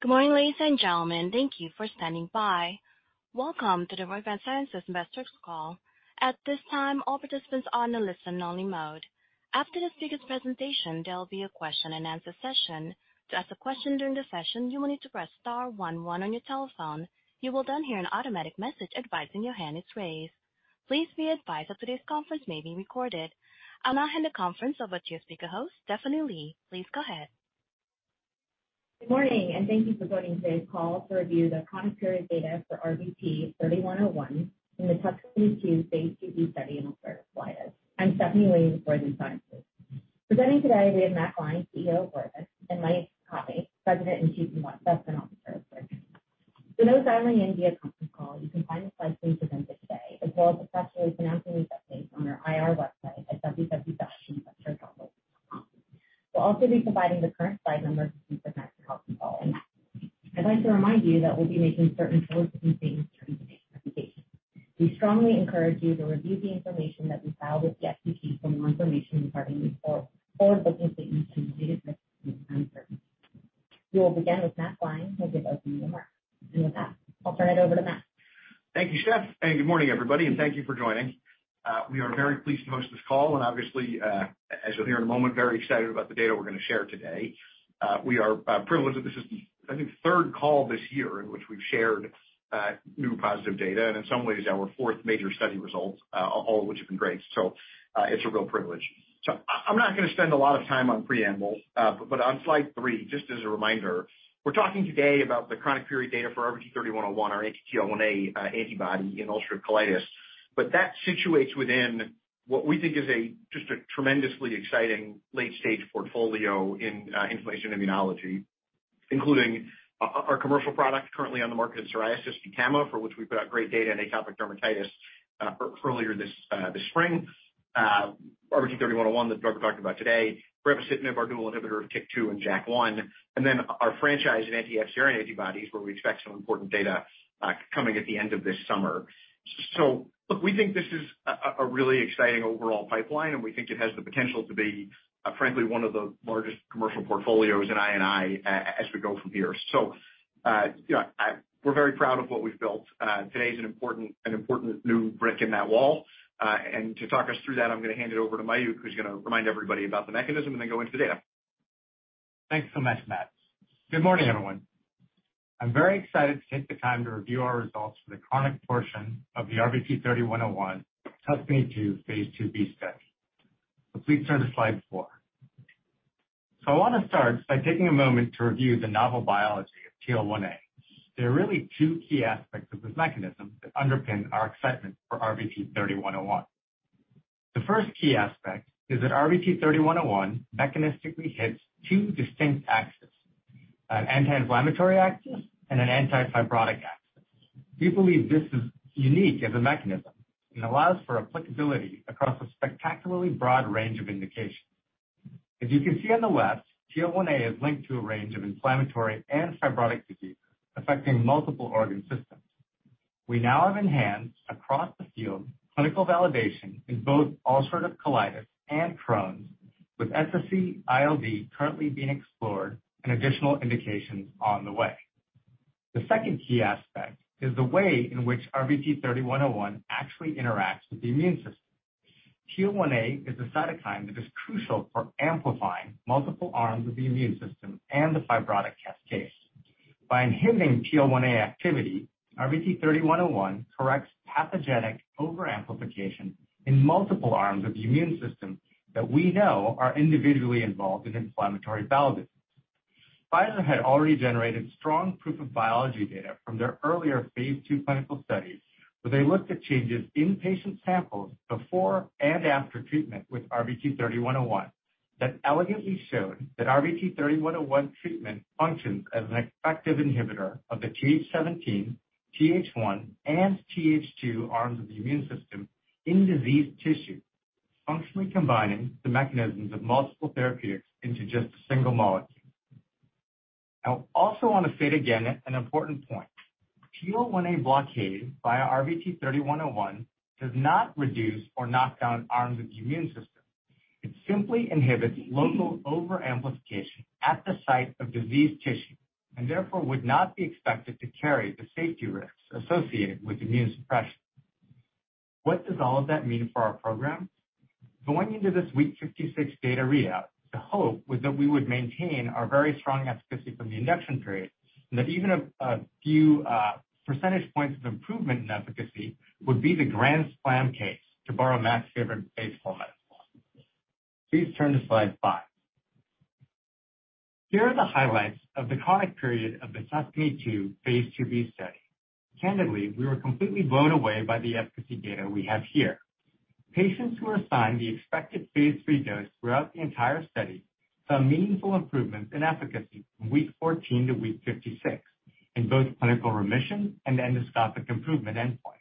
Good morning, ladies and gentlemen. Thank you for standing by. Welcome to the Roivant Sciences Investors Call. At this time, all participants are on the listen only mode. After the speaker's presentation, there will be a question-and-answer session. To ask a question during the session, you will need to press star on your telephone. You will then hear an automatic message advising your hand is raised. Please be advised that today's conference may be recorded. I'll now hand the conference over to your speaker host, Stephanie Lee. Please go ahead. Good morning, thank you for joining today's call to review the chronic period data for RVT-3101 in the TUSCANY-2 phase II-B study in ulcerative colitis. I'm Stephanie Lee with Roivant Sciences. Presenting today, we have Matt Gline, CEO of Roivant, and Mayukh Sukhatme, President and Chief Investment Officer of Roivant. For those dialing in via conference call, you can find the slides we've presented today, as well as the press release announcing these updates on our IR website at www.investor.roivant.com. We'll also be providing the current slide numbers to keep in mind to help you follow. I'd like to remind you that we'll be making certain forward-looking statements during today's presentation. We strongly encourage you to review the information that we file with the SEC for more information regarding these forward-looking statements and business risks and uncertainties. We will begin with Matt Gline, who will give us the remarks. With that, I'll turn it over to Matt. Thank you, Steph, and good morning, everybody, and thank you for joining. We are very pleased to host this call and obviously, as you'll hear in a moment, very excited about the data we're gonna share today. We are privileged that this is the, I think, third call this year in which we've shared new positive data, and in some ways, our fourth major study results, all of which have been great. It's a real privilege. I'm not gonna spend a lot of time on preambles, but on Slide three, just as a reminder, we're talking today about the chronic period data for RVT-3101, our TL1A antibody in ulcerative colitis. That situates within what we think is a tremendously exciting late-stage portfolio in inflammation immunology, including our commercial product currently on the market in psoriasis, VTAMA, for which we put out great data in atopic dermatitis earlier this spring. RVT-3101, the drug we're talking about today, brepocitinib, our dual inhibitor of TYK2 and JAK1, and then our franchise in anti-FcRn antibodies, where we expect some important data coming at the end of this summer. Look, we think this is a really exciting overall pipeline, and we think it has the potential to be frankly, one of the largest commercial portfolios in I&I as we go from here. You know, we're very proud of what we've built. Today is an important new brick in that wall. To talk us through that, I'm gonna hand it over to Mayukh, who's gonna remind everybody about the mechanism and then go into the data. Thanks so much, Matt. Good morning, everyone. I'm very excited to take the time to review our results for the chronic portion of the RVT-3101 TUSCANY-2 phase II-B study. Please turn to Slide four. I want to start by taking a moment to review the novel biology of TL1A. There are really two key aspects of this mechanism that underpin our excitement for RVT-3101. The first key aspect is that RVT-3101 mechanistically hits two distinct axes, an anti-inflammatory axis and an anti-fibrotic axis. We believe this is unique as a mechanism and allows for applicability across a spectacularly broad range of indications. As you can see on the left, TL1A is linked to a range of inflammatory and fibrotic diseases affecting multiple organ systems. We now have in hand, across the field, clinical validation in both ulcerative colitis and Crohn's, with SSc-ILD currently being explored and additional indications on the way. The second key aspect is the way in which RVT-3101 actually interacts with the immune system. TL1A is a cytokine that is crucial for amplifying multiple arms of the immune system and the fibrotic cascade. By inhibiting TL1A activity, RVT-3101 corrects pathogenic overamplification in multiple arms of the immune system that we know are individually involved in inflammatory bowel disease. Pfizer had already generated strong proof of biology data from their earlier phase II clinical studies, where they looked at changes in patient samples before and after treatment with RVT-3101. That elegantly showed that RVT-3101 treatment functions as an effective inhibitor of the Th17, Th1, and Th2 arms of the immune system in diseased tissue, functionally combining the mechanisms of multiple therapeutics into just a single molecule. I also want to state again an important point. TL1A blockade via RVT-3101 does not reduce or knock down arms of the immune system. It simply inhibits local overamplification at the site of diseased tissue, and therefore, would not be expected to carry the safety risks associated with immune suppression. What does all of that mean for our program? Going into this week 56 data readout, the hope was that we would maintain our very strong efficacy from the induction period, and that even a few percentage points of improvement in efficacy would be the grand slam case, to borrow Matt's favorite baseball metaphor. Please turn to Slide five. Here are the highlights of the chronic period of the TUSCANY-2 phase II-B study. Candidly, we were completely blown away by the efficacy data we have here. Patients who were assigned the expected phase III dose throughout the entire study, saw meaningful improvements in efficacy from week 14 to week 56, in both clinical remission and endoscopic improvement endpoints.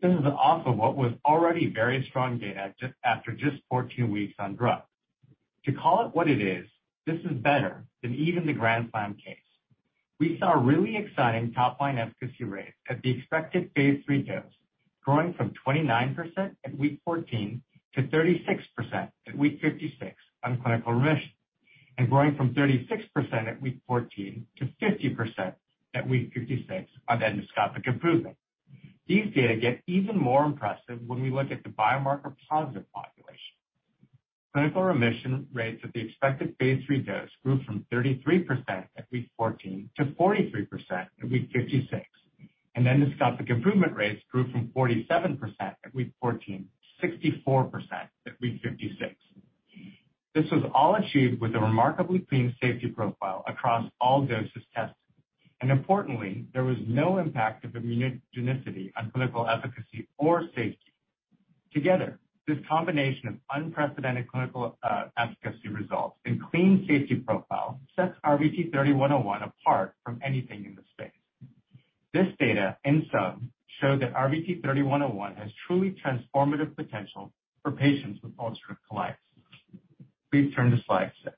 This is also what was already very strong data after just 14 weeks on drug. To call it what it is, this is better than even the grand slam case. We saw really exciting top line efficacy rates at the expected phase III dose, growing from 29% at week 14 to 36% at week 56 on clinical remission, and growing from 36% at week 14 to 50% at week 56 on endoscopic improvement. These data get even more impressive when we look at the biomarker positive population. Clinical remission rates at the expected phase III dose grew from 33% at week 14 to 43% at week 56, and endoscopic improvement rates grew from 47% at week 14 to 64% at week 56. This was all achieved with a remarkably clean safety profile across all doses tested, and importantly, there was no impact of immunogenicity on clinical efficacy or safety. Together, this combination of unprecedented clinical efficacy results and clean safety profile sets RVT-3101 apart from anything in the space. This data, in sum, show that RVT-3101 has truly transformative potential for patients with ulcerative colitis. Please turn to Slide six.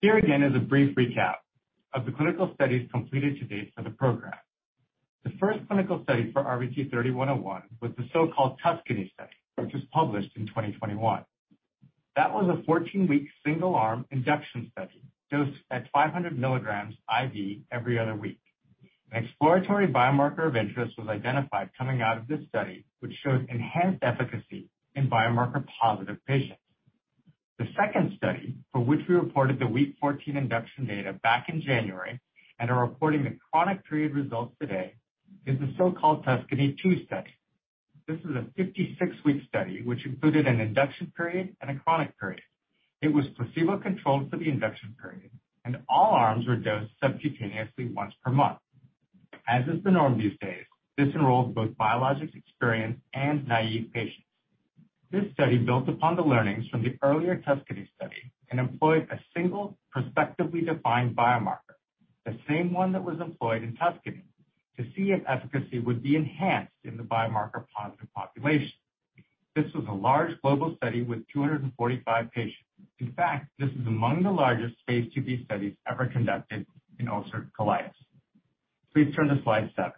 Here again is a brief recap of the clinical studies completed to date for the program. The first clinical study for RVT-3101 was the so-called TUSCANY study, which was published in 2021. That was a 14-week single-arm induction study, dosed at 500 milligrams IV every other week. An exploratory biomarker of interest was identified coming out of this study, which showed enhanced efficacy in biomarker positive patients. The second study, for which we reported the week 14 induction data back in January and are reporting the chronic period results today, is the so-called TUSCANY-2 study. This is a 56-week study, which included an induction period and a chronic period. It was placebo-controlled for the induction period, and all arms were dosed subcutaneously once per month. As is the norm these days, this enrolled both biologics-experienced and naive patients. This study built upon the learnings from the earlier TUSCANY study and employed a single prospectively defined biomarker, the same one that was employed in TUSCANY, to see if efficacy would be enhanced in the biomarker positive population. This was a large global study with 245 patients. In fact, this is among the largest phase II-B studies ever conducted in ulcerative colitis. Please turn to Slide seven.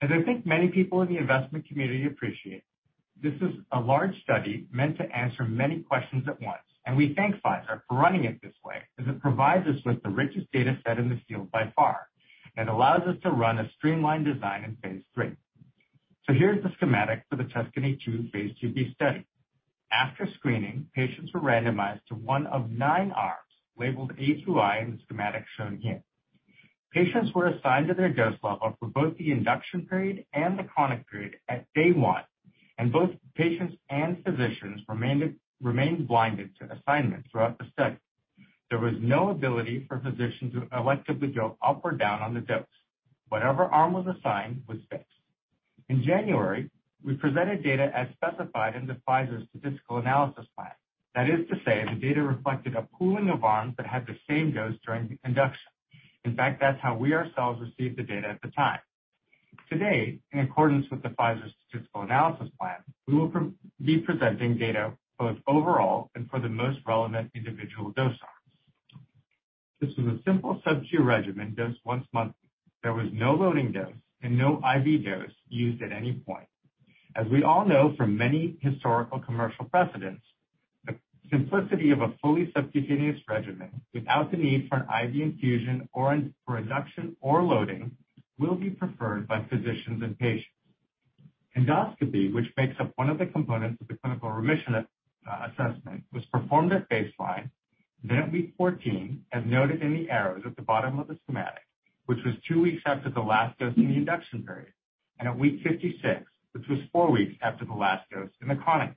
As I think many people in the investment community appreciate, this is a large study meant to answer many questions at once, and we thank Pfizer for running it this way, as it provides us with the richest data set in the field by far and allows us to run a streamlined design in phase III. Here's the schematic for the TUSCANY II phase II-B study. After screening, patients were randomized to one of nine arms, labeled A to I, in the schematic shown here. Patients were assigned to their dose level for both the induction period and the chronic period at day one, and both patients and physicians remained blinded to assignment throughout the study. There was no ability for physicians to electively go up or down on the dose. Whatever arm was assigned was fixed. In January, we presented data as specified in the Pfizer statistical analysis plan. That is to say, the data reflected a pooling of arms that had the same dose during the induction. In fact, that's how we ourselves received the data at the time. Today, in accordance with the Pfizer statistical analysis plan, we will be presenting data both overall and for the most relevant individual dose arms. This is a simple subQ regimen dosed once monthly. There was no loading dose and no IV dose used at any point. As we all know from many historical commercial precedents, the simplicity of a fully subcutaneous regimen without the need for an IV infusion or for induction or loading, will be preferred by physicians and patients. Endoscopy, which makes up one of the components of the clinical remission assessment, was performed at baseline, then at week 14, as noted in the arrows at the bottom of the schematic, which was two weeks after the last dose in the induction period, and at week 56, which was four weeks after the last dose in the chronic period.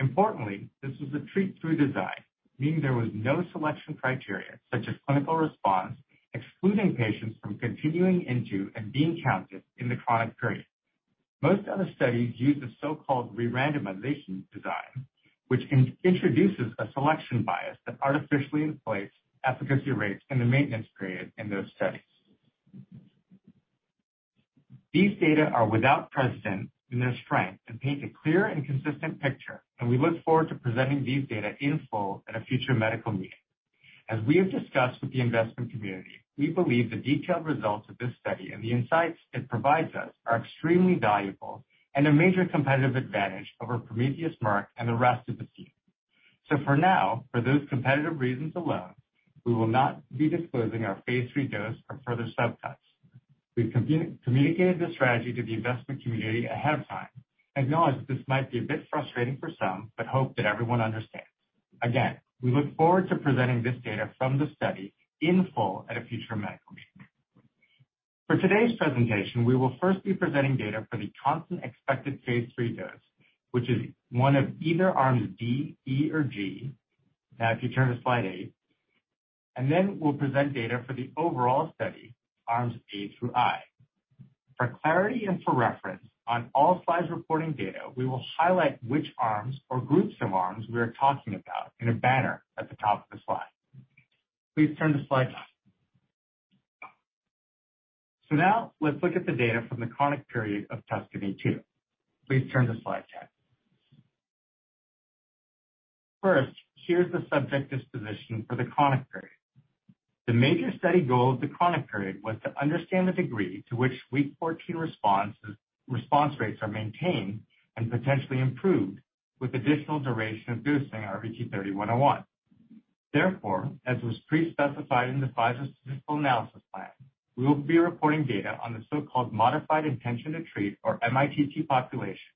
Importantly, this was a treat-through design, meaning there was no selection criteria, such as clinical response, excluding patients from continuing into and being counted in the chronic period. Most other studies use a so-called re-randomization design, which introduces a selection bias that artificially inflates efficacy rates in the maintenance period in those studies. These data are without precedent in their strength and paint a clear and consistent picture. We look forward to presenting these data in full at a future medical meeting. As we have discussed with the investment community, we believe the detailed results of this study and the insights it provides us are extremely valuable and a major competitive advantage over Prometheus and the rest of the field. For now, for those competitive reasons alone, we will not be disclosing our phase III dose for further subtests. We've communicated this strategy to the investment community ahead of time. Acknowledge this might be a bit frustrating for some, but hope that everyone understands. Again, we look forward to presenting this data from the study in full at a future medical meeting. For today's presentation, we will first be presenting data for the constant expected phase III dose, which is one of either arms D, E, or G. If you turn to Slide eight, and then we'll present data for the overall study, arms A through I. For clarity and for reference, on all slides reporting data, we will highlight which arms or groups of arms we are talking about in a banner at the top of the slide. Please turn to Slide nine. Now let's look at the data from the chronic period of TUSCANY-2. Please turn to Slide 10. First, here's the subject disposition for the chronic period. The major study goal of the chronic period was to understand the degree to which week 14 response rates are maintained and potentially improved with additional duration of dosaging RVT-3101. As was pre-specified in the Pfizer statistical analysis plan, we will be reporting data on the so-called modified intention to treat, or MITT population,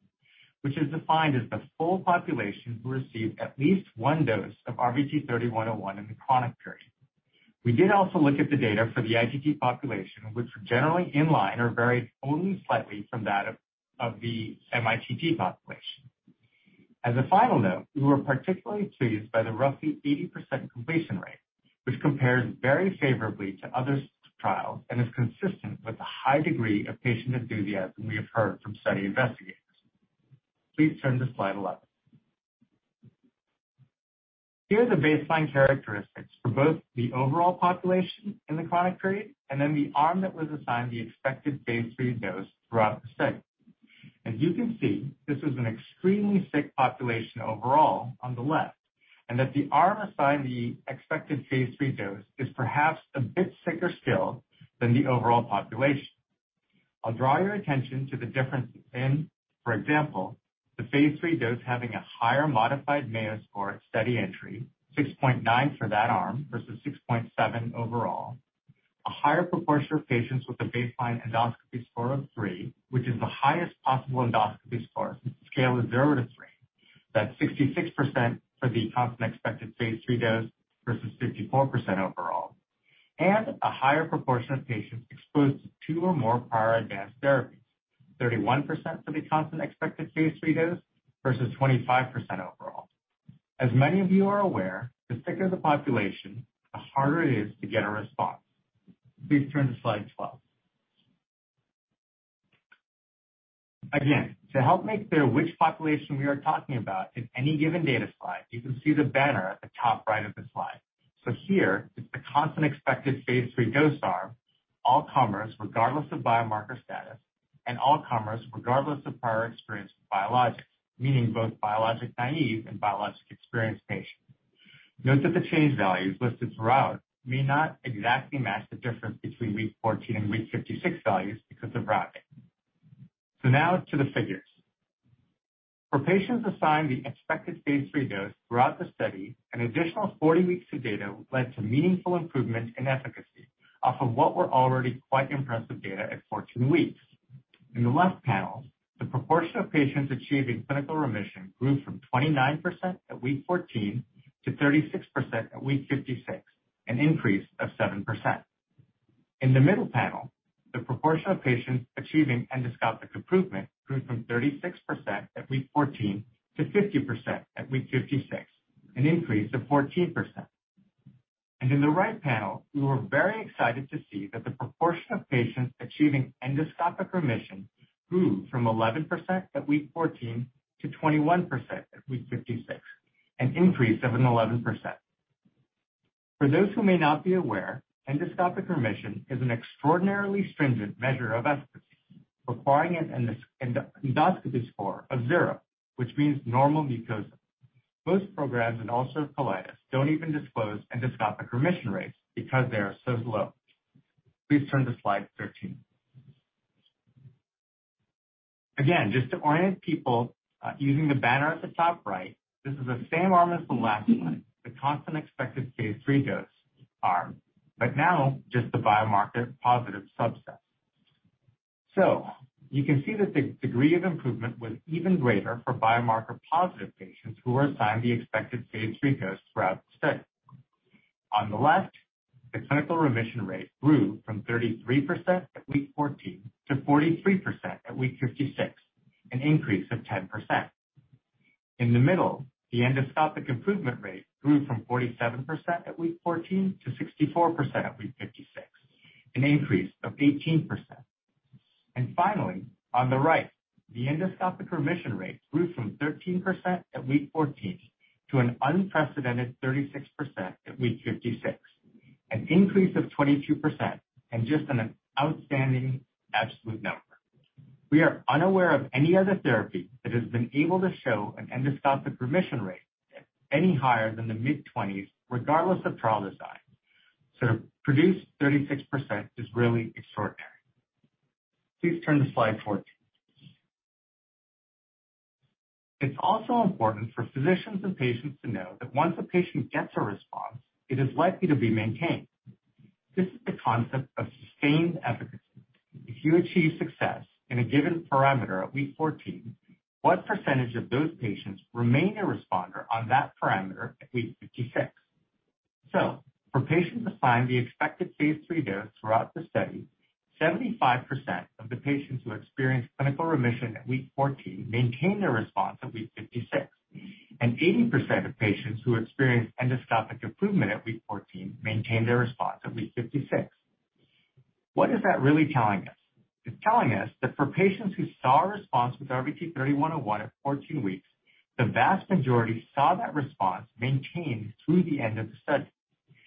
which is defined as the full population who received at least one dose of RVT-3101 in the chronic period. We did also look at the data for the ITT population, which were generally in line or varied only slightly from that of the MITT population. As a final note, we were particularly pleased by the roughly 80% completion rate, which compares very favorably to other trials and is consistent with the high degree of patient enthusiasm we have heard from study investigators. Please turn to Slide 11. Here are the baseline characteristics for both the overall population in the chronic period, and then the arm that was assigned the expected phase III dose throughout the study. As you can see, this is an extremely sick population overall on the left, and that the arm assigned the expected phase III dose is perhaps a bit sicker still than the overall population. I'll draw your attention to the differences in, for example, the phase III dose having a higher modified Mayo Score at study entry, 6.9 for that arm versus 6.7 overall. A higher proportion of patients with a baseline endoscopy score of three, which is the highest possible endoscopy score since the scale is zero to three. That's 66% for the constant expected phase III dose versus 54% overall, and a higher proportion of patients exposed to two or more prior advanced therapies. 31% for the constant expected phase III dose versus 25% overall. As many of you are aware, the sicker the population, the harder it is to get a response. Please turn to Slide 12. Again, to help make clear which population we are talking about in any given data slide, you can see the banner at the top right of the slide. Here, it's the constant expected phase III dose arm, all comers, regardless of biomarker status, and all comers, regardless of prior experience with biologics, meaning both biologic naive and biologic-experienced patients. Note that the change values listed throughout may not exactly match the difference between week 14 and week 56 values because of rounding. Now to the figures. For patients assigned the expected phase III dose throughout the study, an additional 40 weeks of data led to meaningful improvement in efficacy off of what were already quite impressive data at 14 weeks. In the left panel, the proportion of patients achieving clinical remission grew from 29% at week 14 to 36% at week 56, an increase of 7%. In the middle panel, the proportion of patients achieving endoscopic improvement grew from 36% at week 14 to 50% at week 56, an increase of 14%. In the right panel, we were very excited to see that the proportion of patients achieving endoscopic remission grew from 11% at week 14 to 21% at week 56, an increase of an 11%. For those who may not be aware, endoscopic remission is an extraordinarily stringent measure of efficacy, requiring an endoscopy score of zero, which means normal mucosa. Most programs in ulcerative colitis don't even disclose endoscopic remission rates because they are so low. Please turn to Slide 13. Again, just to orient people, using the banner at the top right, this is the same arm as the last one, the constant expected phase III dose arm, now just the biomarker positive subset. You can see that the degree of improvement was even greater for biomarker positive patients who were assigned the expected phase III dose throughout the study. On the left, the clinical remission rate grew from 33% at week 14 to 43% at week 56, an increase of 10%. In the middle, the endoscopic improvement rate grew from 47% at week 14 to 64% at week 56, an increase of 18%. Finally, on the right, the endoscopic remission rate grew from 13% at week 14 to an unprecedented 36% at week 56, an increase of 22% and just an outstanding absolute number. We are unaware of any other therapy that has been able to show an endoscopic remission rate any higher than the mid-20s, regardless of trial design. To produce 36% is really extraordinary. Please turn to Slide 14. It's also important for physicians and patients to know that once a patient gets a response, it is likely to be maintained. This is the concept of sustained efficacy. If you achieve success in a given parameter at week 14, what percentage of those patients remain a responder on that parameter at week 56? For patients assigned the expected phase III dose throughout the study, 75% of the patients who experienced clinical remission at week 14 maintained their response at week 56, and 80% of patients who experienced endoscopic improvement at week 14 maintained their response at week 56. What is that really telling us? It's telling us that for patients who saw a response with RVT-3101 at 14 weeks, the vast majority saw that response maintained through the end of the study.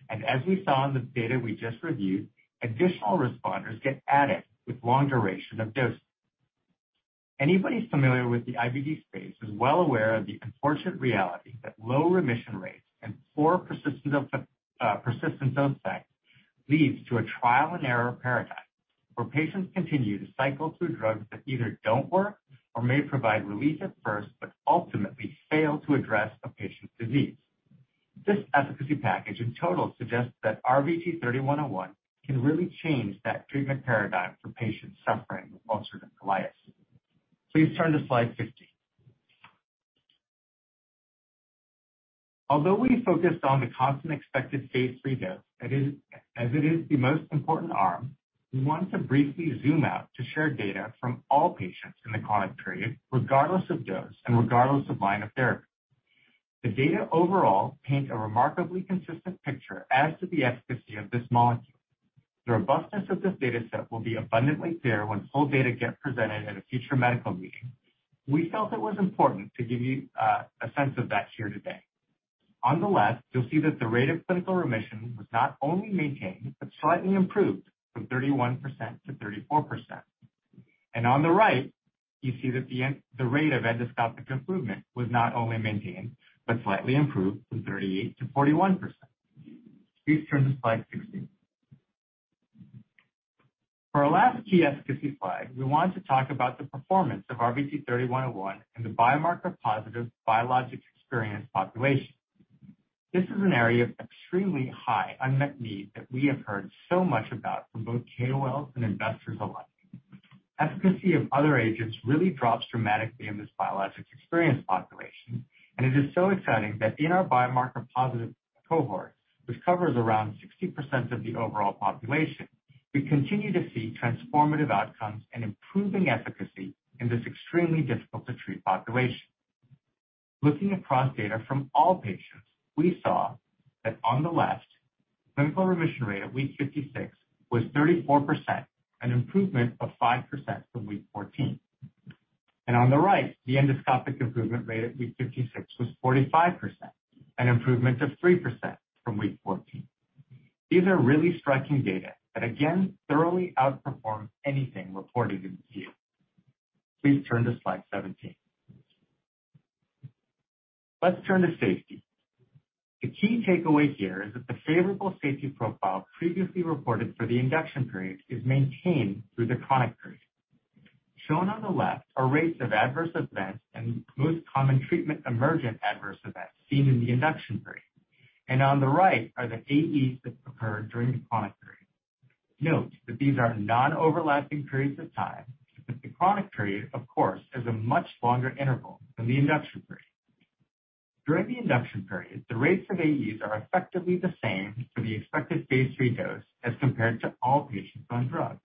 As we saw in the data we just reviewed, additional responders get added with long duration of dose.... Anybody familiar with the IBD space is well aware of the unfortunate reality that low remission rates and poor persistence on sex leads to a trial-and-error paradigm, where patients continue to cycle through drugs that either don't work or may provide relief at first, ultimately fail to address a patient's disease. This efficacy package, in total, suggests that RVT-3101 can really change that treatment paradigm for patients suffering with ulcerative colitis. Please turn to Slide 15. Although we focused on the constant expected phase III dose, that is, as it is the most important arm, we want to briefly zoom out to share data from all patients in the chronic period, regardless of dose and regardless of line of therapy. The data overall paint a remarkably consistent picture as to the efficacy of this molecule. The robustness of this data set will be abundantly clear when full data get presented at a future medical meeting. We felt it was important to give you a sense of that here today. On the left, you'll see that the rate of clinical remission was not only maintained but slightly improved from 31%-34%. On the right, you see that the rate of endoscopic improvement was not only maintained but slightly improved from 38%-41%. Please turn to Slide 16. For our last key efficacy slide, we want to talk about the performance of RVT-3101 in the biomarker positive biologic experienced population. This is an area of extremely high unmet need that we have heard so much about from both KOLs and investors alike. Efficacy of other agents really drops dramatically in this biologics-experienced population, and it is so exciting that in our biomarker-positive cohort, which covers around 60% of the overall population, we continue to see transformative outcomes and improving efficacy in this extremely difficult-to-treat population. Looking across data from all patients, we saw that on the left, clinical remission rate at week 56 was 34%, an improvement of 5% from week 14. On the right, the endoscopic improvement rate at week 56 was 45%, an improvement of 3% from week 14. These are really striking data that, again, thoroughly outperform anything reported in the field. Please turn to Slide 17. Let's turn to safety. The key takeaway here is that the favorable safety profile previously reported for the induction period is maintained through the chronic period. Shown on the left are rates of adverse events and most common treatment-emergent adverse events seen in the induction period, and on the right are the AEs that occurred during the chronic period. Note that these are non-overlapping periods of time, but the chronic period, of course, is a much longer interval than the induction period. During the induction period, the rates of AEs are effectively the same for the expected phase III dose as compared to all patients on drug,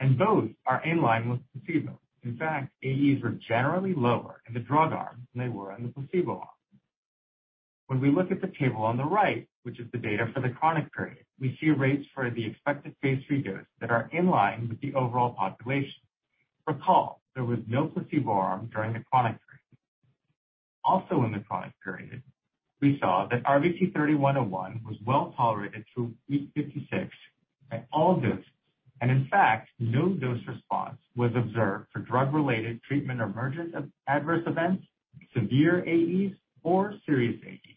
and both are in line with placebo. In fact, AEs were generally lower in the drug arm than they were on the placebo arm. When we look at the table on the right, which is the data for the chronic period, we see rates for the expected phase III dose that are in line with the overall population. Recall, there was no placebo arm during the chronic period. In the chronic period, we saw that RVT-3101 was well tolerated through week 56 at all doses, and in fact, no dose response was observed for drug-related treatment or emergence of adverse events, severe AEs, or serious AEs.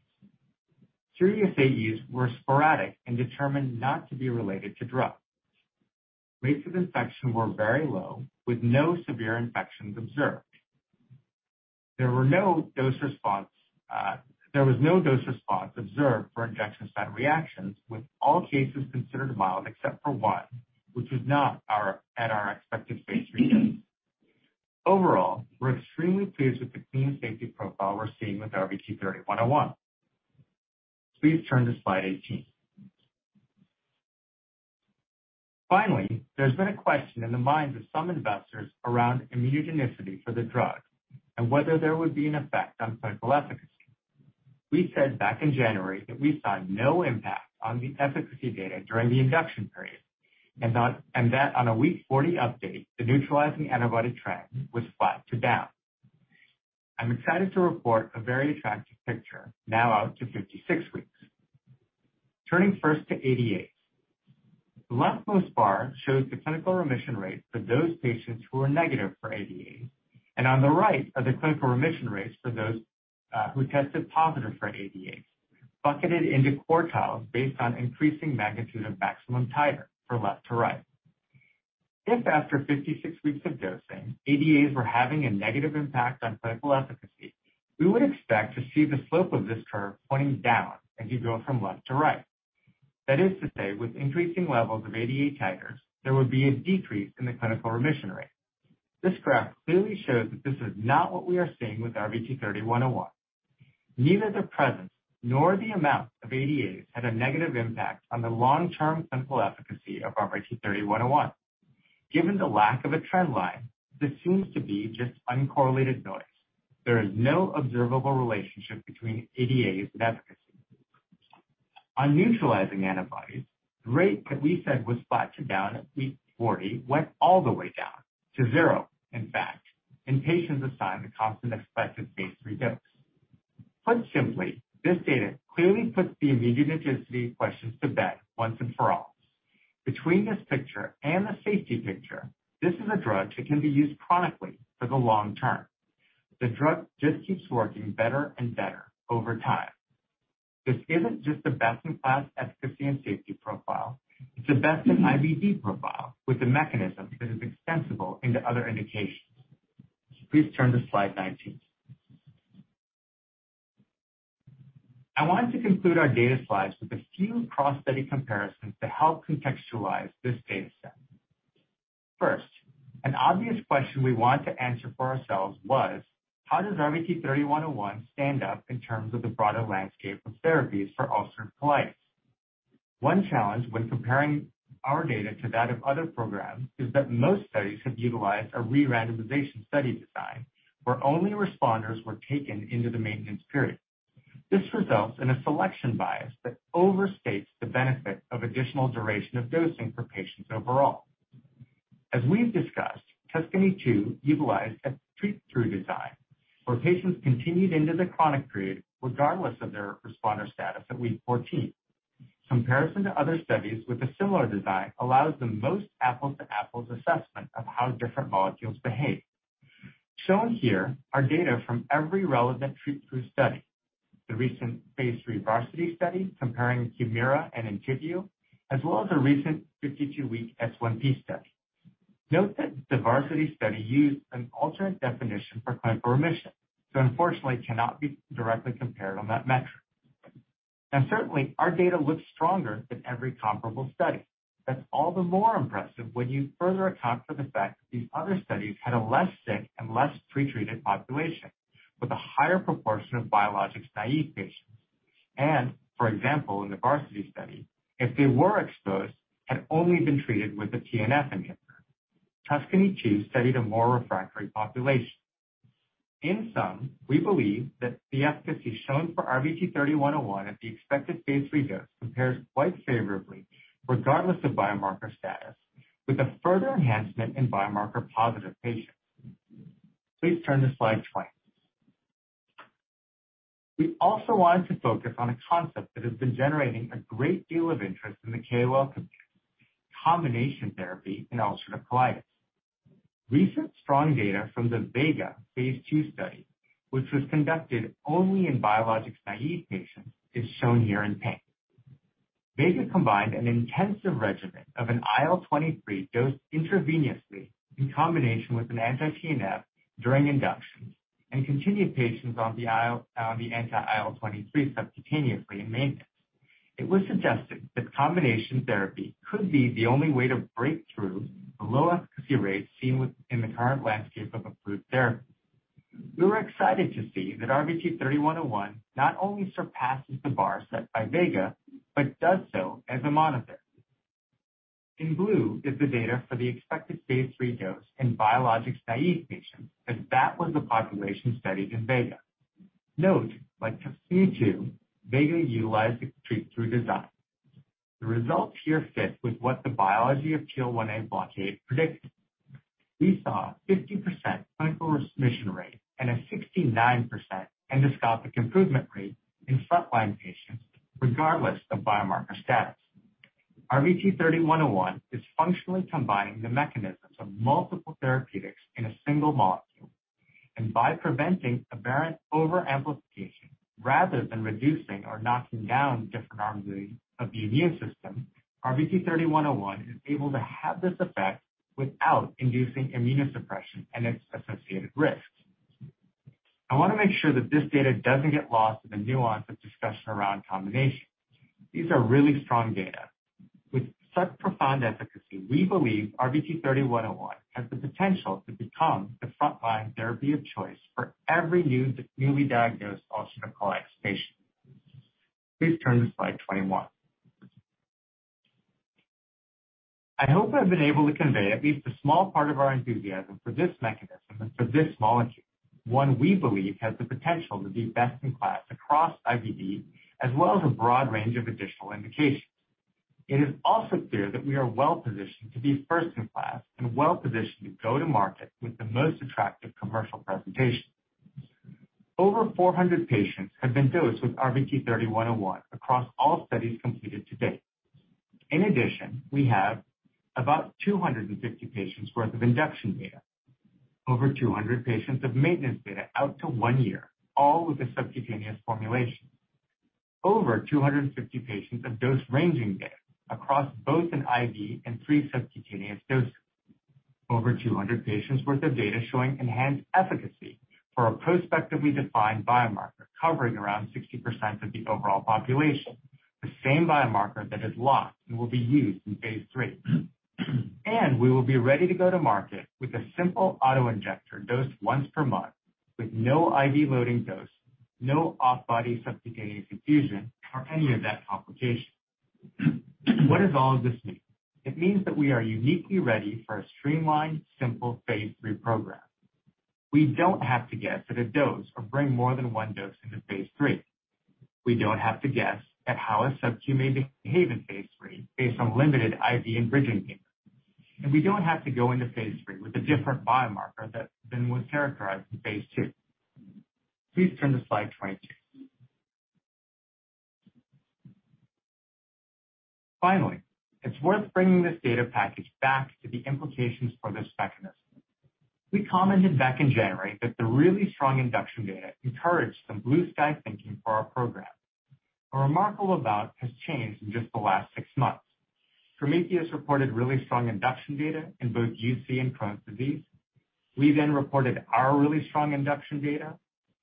Serious AEs were sporadic and determined not to be related to drug. Rates of infection were very low, with no severe infections observed. There was no dose response observed for injection site reactions, with all cases considered mild except for one, which was not at our expected phase III dose. Overall, we're extremely pleased with the clean safety profile we're seeing with RVT-3101. Please turn to Slide 18. There's been a question in the minds of some investors around immunogenicity for the drug and whether there would be an effect on clinical efficacy. We said back in January that we saw no impact on the efficacy data during the induction period, and that on a week 40 update, the neutralizing antibody trend was flat to down. I'm excited to report a very attractive picture now out to 56 weeks. Turning first to ADAs. The leftmost bar shows the clinical remission rate for those patients who are negative for ADAs, and on the right are the clinical remission rates for those who tested positive for ADAs, bucketed into quartiles based on increasing magnitude of maximum titer from left to right. If after 56 weeks of dosing, ADAs were having a negative impact on clinical efficacy, we would expect to see the slope of this curve pointing down as you go from left to right. That is to say, with increasing levels of ADA titers, there would be a decrease in the clinical remission rate. This graph clearly shows that this is not what we are seeing with RVT-3101. Neither the presence nor the amount of ADAs had a negative impact on the long-term clinical efficacy of RVT-3101. Given the lack of a trend line, this seems to be just uncorrelated noise. There is no observable relationship between ADAs and efficacy. On neutralizing antibodies, the rate that we said was flat to down at week 40 went all the way down to zero, in fact, in patients assigned the constant expected phase III dose. Put simply, this data clearly puts the immunogenicity questions to bed once and for all. Between this picture and the safety picture, this is a drug that can be used chronically for the long term. The drug just keeps working better and better over time. This isn't just the best-in-class efficacy and safety profile, it's the best in IBD profile with a mechanism that is extensible into other indications. Please turn to Slide 19. I want to conclude our data slides with a few cross study comparisons to help contextualize this data set. First, an obvious question we want to answer for ourselves was: How does RVT-3101 stand up in terms of the broader landscape of therapies for ulcerative colitis? One challenge when comparing our data to that of other programs is that most studies have utilized a re-randomization study design, where only responders were taken into the maintenance period. This results in a selection bias that overstates the benefit of additional duration of dosing for patients overall. As we've discussed, TUSCANY-2 utilized a treat-through design, where patients continued into the chronic period regardless of their responder status at week 14. Comparison to other studies with a similar design allows the most apples-to-apples assessment of how different molecules behave. Shown here are data from every relevant treat-through study, the recent phase III VARSITY study comparing HUMIRA and Entyvio, as well as a recent 52-week S1P study. Note that the VARSITY study used an alternate definition for clinical remission, unfortunately cannot be directly compared on that metric. Certainly, our data looks stronger than every comparable study. That's all the more impressive when you further account for the fact that these other studies had a less sick and less pretreated population, with a higher proportion of biologics-naive patients. For example, in the VARSITY study, if they were exposed, had only been treated with a TNF inhibitor. TUSCANY-2 studied a more refractory population. In sum, we believe that the efficacy shown for RVT-3101 at the expected phase III dose compares quite favorably, regardless of biomarker status, with a further enhancement in biomarker positive patients. Please turn to Slide 20. We also wanted to focus on a concept that has been generating a great deal of interest in the KOL community, combination therapy in ulcerative colitis. Recent strong data from the VEGA phase II study, which was conducted only in biologics-naive patients, is shown here in pink. VEGA combined an intensive regimen of an IL-23 dosed intravenously in combination with an anti-TNF during induction and continued patients on the anti-IL-23 subcutaneously in maintenance. It was suggested that combination therapy could be the only way to break through the low efficacy rates in the current landscape of approved therapies. We were excited to see that RVT-3101 not only surpasses the bar set by VEGA, but does so as a monotherapy. In blue is the data for the expected phase III dose in biologics-naive patients, as that was the population studied in VEGA. Note, like TUSCANY-2, VEGA utilized a treat-through design. The results here fit with what the biology of TL1A blockade predicted. We saw a 50% clinical remission rate and a 69% endoscopic improvement rate in frontline patients, regardless of biomarker status. RVT-3101 is functionally combining the mechanisms of multiple therapeutics in a single molecule. By preventing aberrant overamplification rather than reducing or knocking down different arms of the immune system, RVT-3101 is able to have this effect without inducing immunosuppression and its associated risks. I want to make sure that this data doesn't get lost in the nuance of discussion around combination. These are really strong data. With such profound efficacy, we believe RVT-3101 has the potential to become the frontline therapy of choice for every new, newly diagnosed ulcerative colitis patient. Please turn to Slide 21. I hope I've been able to convey at least a small part of our enthusiasm for this mechanism and for this molecule, one we believe has the potential to be best in class across IBD, as well as a broad range of additional indications. It is also clear that we are well positioned to be first in class and well positioned to go to market with the most attractive commercial presentation. Over 400 patients have been dosed with RVT-3101 across all studies completed to date. In addition, we have about 250 patients worth of induction data, over 200 patients of maintenance data out to one year, all with a subcutaneous formulation. Over 250 patients of dose-ranging data across both an IV and three subcutaneous doses. Over 200 patients worth of data showing enhanced efficacy for a prospectively defined biomarker, covering around 60% of the overall population, the same biomarker that is locked and will be used in phase III. We will be ready to go to market with a simple auto-injector dosed once per month with no IV loading dose, no off-body subcutaneous infusion, or any of that complication. What does all of this mean? It means that we are uniquely ready for a streamlined, simple phase III program. We don't have to guess at a dose or bring more than one dose into phase III. We don't have to guess at how a subQ may behave in phase III based on limited IV and bridging data. We don't have to go into phase III with a different biomarker than was characterized in phase II. Please turn to Slide 22. Finally, it's worth bringing this data package back to the implications for this mechanism. We commented back in January that the really strong induction data encouraged some blue sky thinking for our program. A remarkable amount has changed in just the last six months. Prometheus reported really strong induction data in both UC and Crohn's disease. We reported our really strong induction data.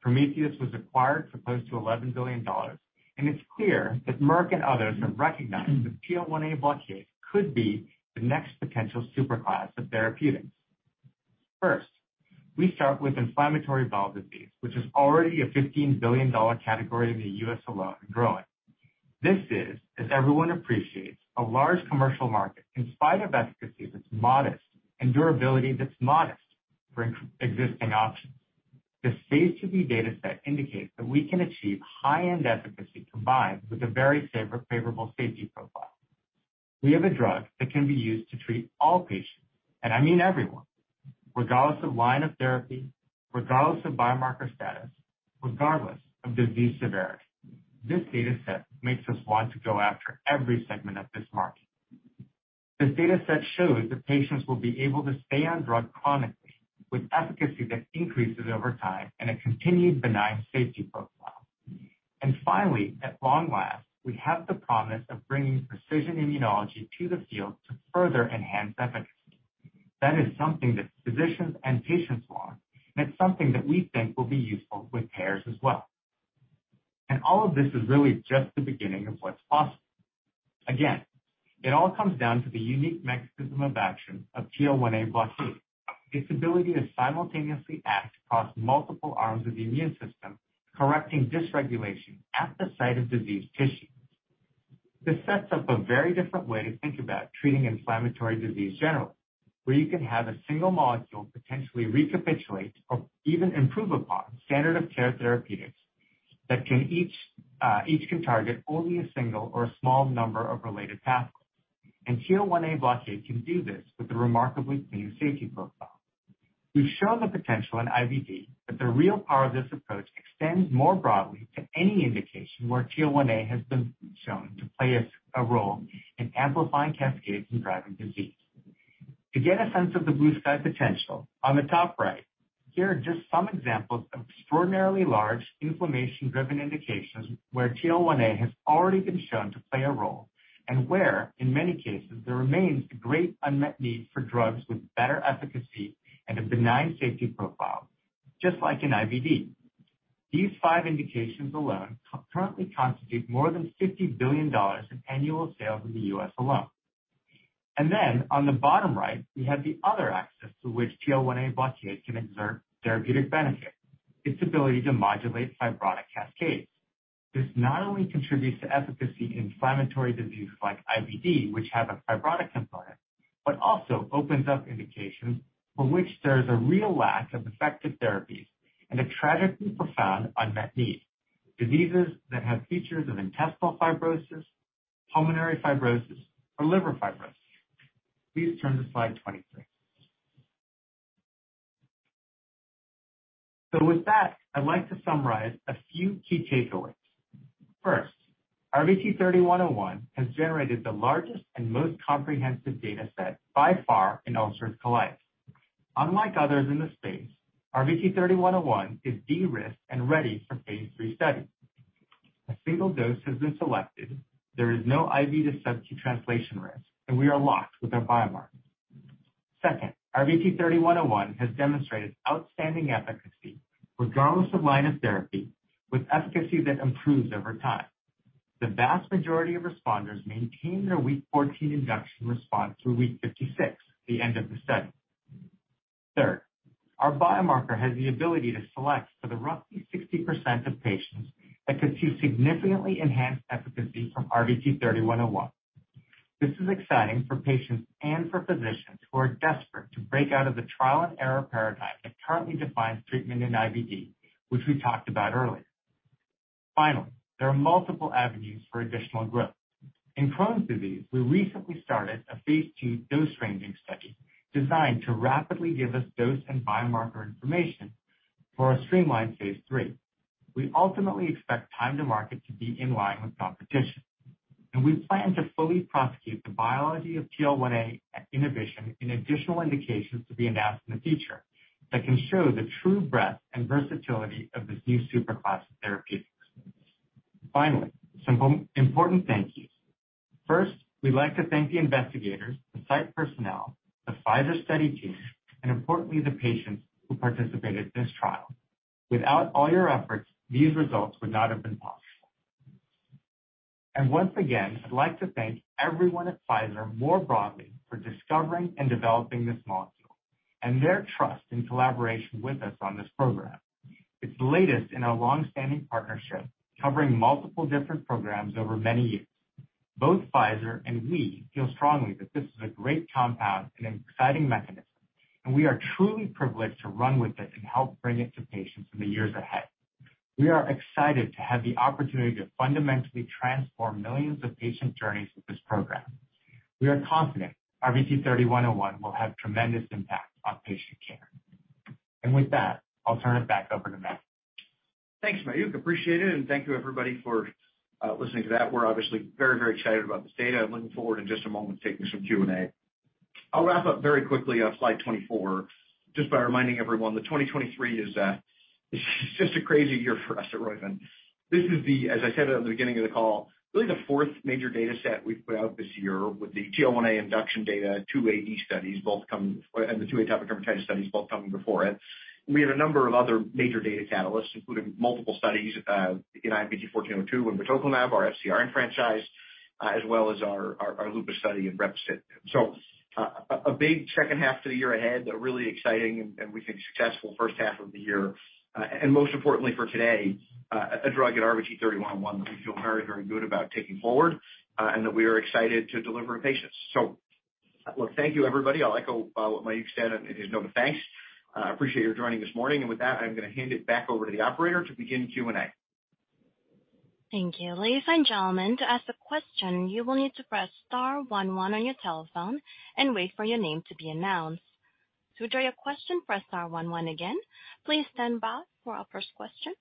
Prometheus Biosciences was acquired for close to $11 billion. It's clear that Merck and others have recognized that TL1A blockade could be the next potential super class of therapeutics. First, we start with inflammatory bowel disease, which is already a $15 billion category in the U.S. alone, growing. This is, as everyone appreciates, a large commercial market in spite of efficacy that's modest and durability that's modest for existing options. The phase II data set indicates that we can achieve high-end efficacy combined with a very favorable safety profile. We have a drug that can be used to treat all patients, I mean everyone, regardless of line of therapy, regardless of biomarker status, regardless of disease severity. This data set makes us want to go after every segment of this market. This data set shows that patients will be able to stay on drug chronically, with efficacy that increases over time and a continued benign safety profile. Finally, at long last, we have the promise of bringing precision immunology to the field to further enhance efficacy. That is something that physicians and patients want, and it's something that we think will be useful with payers as well. All of this is really just the beginning of what's possible. Again, it all comes down to the unique mechanism of action of TL1A blockade. Its ability to simultaneously act across multiple arms of the immune system, correcting dysregulation at the site of diseased tissues. This sets up a very different way to think about treating inflammatory disease generally, where you can have a single molecule potentially recapitulate or even improve upon standard of care therapeutics that can each can target only a single or a small number of related pathways. TL1A blockade can do this with a remarkably clean safety profile. We've shown the potential in IBD. The real power of this approach extends more broadly to any indication where TL1A has been shown to play a role in amplifying cascades and driving disease. To get a sense of the blue sky potential, on the top right, here are just some examples of extraordinarily large inflammation-driven indications, where TL1A has already been shown to play a role, and where, in many cases, there remains a great unmet need for drugs with better efficacy and a benign safety profile, just like in IBD. These five indications alone currently constitute more than $50 billion in annual sales in the U.S. alone. Then on the bottom right, we have the other access to which TL1A blockade can exert therapeutic benefit, its ability to modulate fibrotic cascades. This not only contributes to efficacy in inflammatory diseases like IBD, which have a fibrotic component, but also opens up indications for which there is a real lack of effective therapies and a tragically profound unmet need, diseases that have features of intestinal fibrosis, pulmonary fibrosis, or liver fibrosis. Please turn to Slide 23. With that, I'd like to summarize a few key takeaways. First, RVT-3101 has generated the largest and most comprehensive data set by far in ulcerative colitis. Unlike others in this space, RVT-3101 is de-risked and ready for phase III study. A single dose has been selected, there is no IV to subQ translation risk, and we are locked with our biomarkers. Second, RVT-3101 has demonstrated outstanding efficacy, regardless of line of therapy, with efficacy that improves over time. The vast majority of responders maintained their week 14 induction response through week 56, the end of the study. Third, our biomarker has the ability to select for the roughly 60% of patients that could see significantly enhanced efficacy from RVT-3101. This is exciting for patients and for physicians who are desperate to break out of the trial-and-error paradigm that currently defines treatment in IBD, which we talked about earlier. Finally, there are multiple avenues for additional growth. In Crohn's disease, we recently started a phase II dose ranging study, designed to rapidly give us dose and biomarker information for a streamlined phase III. We ultimately expect time to market to be in line with competition, and we plan to fully prosecute the biology of TL1A at Innovation in additional indications to be announced in the future, that can show the true breadth and versatility of this new super class of therapeutics. Finally, some important thank yous. First, we'd like to thank the investigators, the site personnel, the Pfizer study team, and importantly, the patients who participated in this trial. Without all your efforts, these results would not have been possible. Once again, I'd like to thank everyone at Pfizer more broadly for discovering and developing this molecule and their trust and collaboration with us on this program. It's the latest in our long-standing partnership, covering multiple different programs over many years.... Both Pfizer and we feel strongly that this is a great compound and an exciting mechanism, and we are truly privileged to run with it and help bring it to patients in the years ahead. We are excited to have the opportunity to fundamentally transform millions of patient journeys with this program. We are confident RVT-3101 will have tremendous impact on patient care. With that, I'll turn it back over to Matt. Thanks, Mayukh. Appreciate it, and thank you everybody for listening to that. We're obviously very excited about this data. I'm looking forward in just a moment to taking some Q&A. I'll wrap up very quickly on Slide 24, just by reminding everyone that 2023 is just a crazy year for us at Roivant. This is the, as I said at the beginning of the call, really the fourth major data set we've put out this year with the TL1A induction data, two AD studies, and the two atopic dermatitis studies both coming before it. We have a number of other major data catalysts, including multiple studies in IMVT-1402 and batoclimab, our FcRn franchise, as well as our lupus study in brepocitinib. A big second half to the year ahead, a really exciting and we think successful first half of the year. Most importantly for today, a drug in RVT-3101 that we feel very, very good about taking forward, and that we are excited to deliver to patients. Well, thank you, everybody. I'll echo what Mayukh said in his note of thanks. Appreciate your joining this morning, and with that, I'm gonna hand it back over to the operator to begin Q&A. Thank you. Ladies and gentlemen, to ask a question, you will need to press star one one on your telephone and wait for your name to be announced. To withdraw your question, press star one one again. Please stand by for our first question.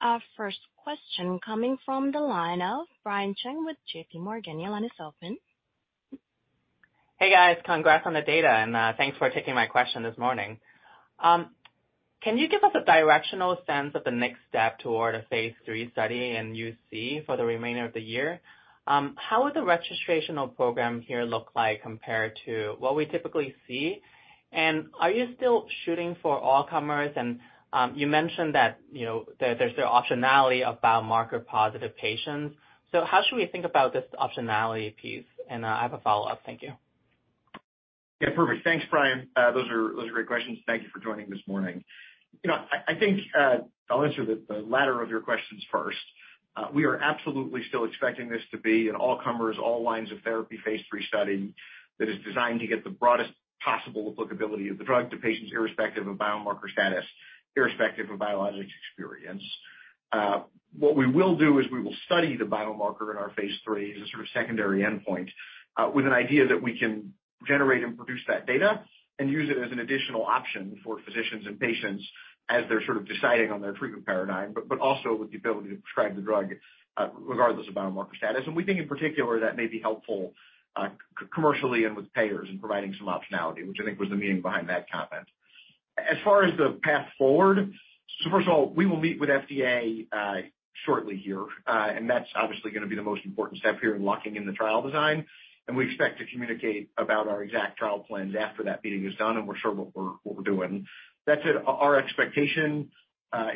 Our first question coming from the line of Brian Cheng with JPMorgan. Your line is open. Hey, guys. Congrats on the data, thanks for taking my question this morning. Can you give us a directional sense of the next step toward a phase III study in UC for the remainder of the year? How will the registrational program here look like compared to what we typically see? Are you still shooting for all comers? You mentioned that, you know, there's the optionality of biomarker positive patients. How should we think about this optionality piece? I have a follow-up. Thank you. Yeah, perfect. Thanks, Brian. Those are great questions. Thank you for joining this morning. You know, I think, I'll answer the latter of your questions first. We are absolutely still expecting this to be an all-comers, all lines of therapy phase III study that is designed to get the broadest possible applicability of the drug to patients, irrespective of biomarker status, irrespective of biologics experience. What we will do is we will study the biomarker in our phase III as a sort of secondary endpoint, with an idea that we can generate and produce that data and use it as an additional option for physicians and patients as they're sort of deciding on their treatment paradigm. Also with the ability to prescribe the drug, regardless of biomarker status. We think in particular, that may be helpful commercially and with payers in providing some optionality, which I think was the meaning behind that comment. As far as the path forward, first of all, we will meet with FDA shortly here. That's obviously gonna be the most important step here in locking in the trial design. We expect to communicate about our exact trial plans after that meeting is done, and we're sure what we're doing. That said, our expectation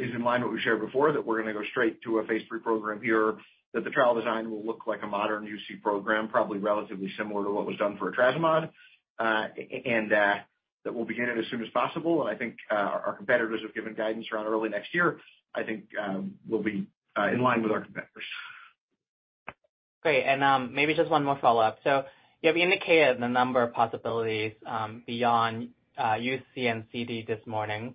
is in line with what we shared before, that we're gonna go straight to a phase III program here. That the trial design will look like a modern UC program, probably relatively similar to what was done for etrasimod, and that we'll begin it as soon as possible. I think, our competitors have given guidance around early next year. I think, we'll be in line with our competitors. Great. Maybe just one more follow-up. You have indicated the number of possibilities beyond UC and CD this morning.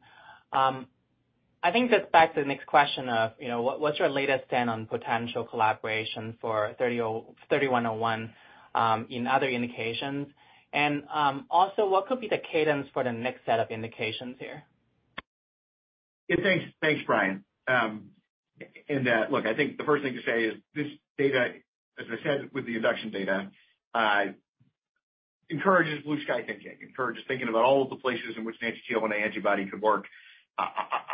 I think this backs the next question of, you know, what's your latest stand on potential collaboration for RVT-3101 in other indications? Also, what could be the cadence for the next set of indications here? Yeah, thanks. Thanks, Brian. Look, I think the first thing to say is this data, as I said, with the induction data, encourages blue sky thinking, encourages thinking about all of the places in which an anti-TL1A antibody could work.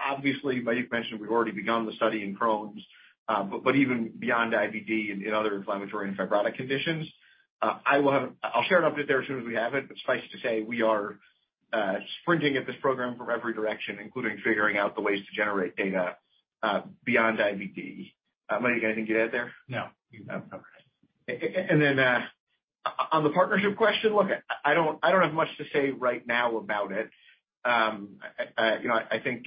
Obviously, Mayukh mentioned we've already begun the study in Crohn's, but even beyond IBD and in other inflammatory and fibrotic conditions, I'll share an update there as soon as we have it. Suffice to say, we are springing at this program from every direction, including figuring out the ways to generate data beyond IBD. Mayukh, anything you'd add there? No. No, no. On the partnership question, look, I don't have much to say right now about it. I, you know, I think,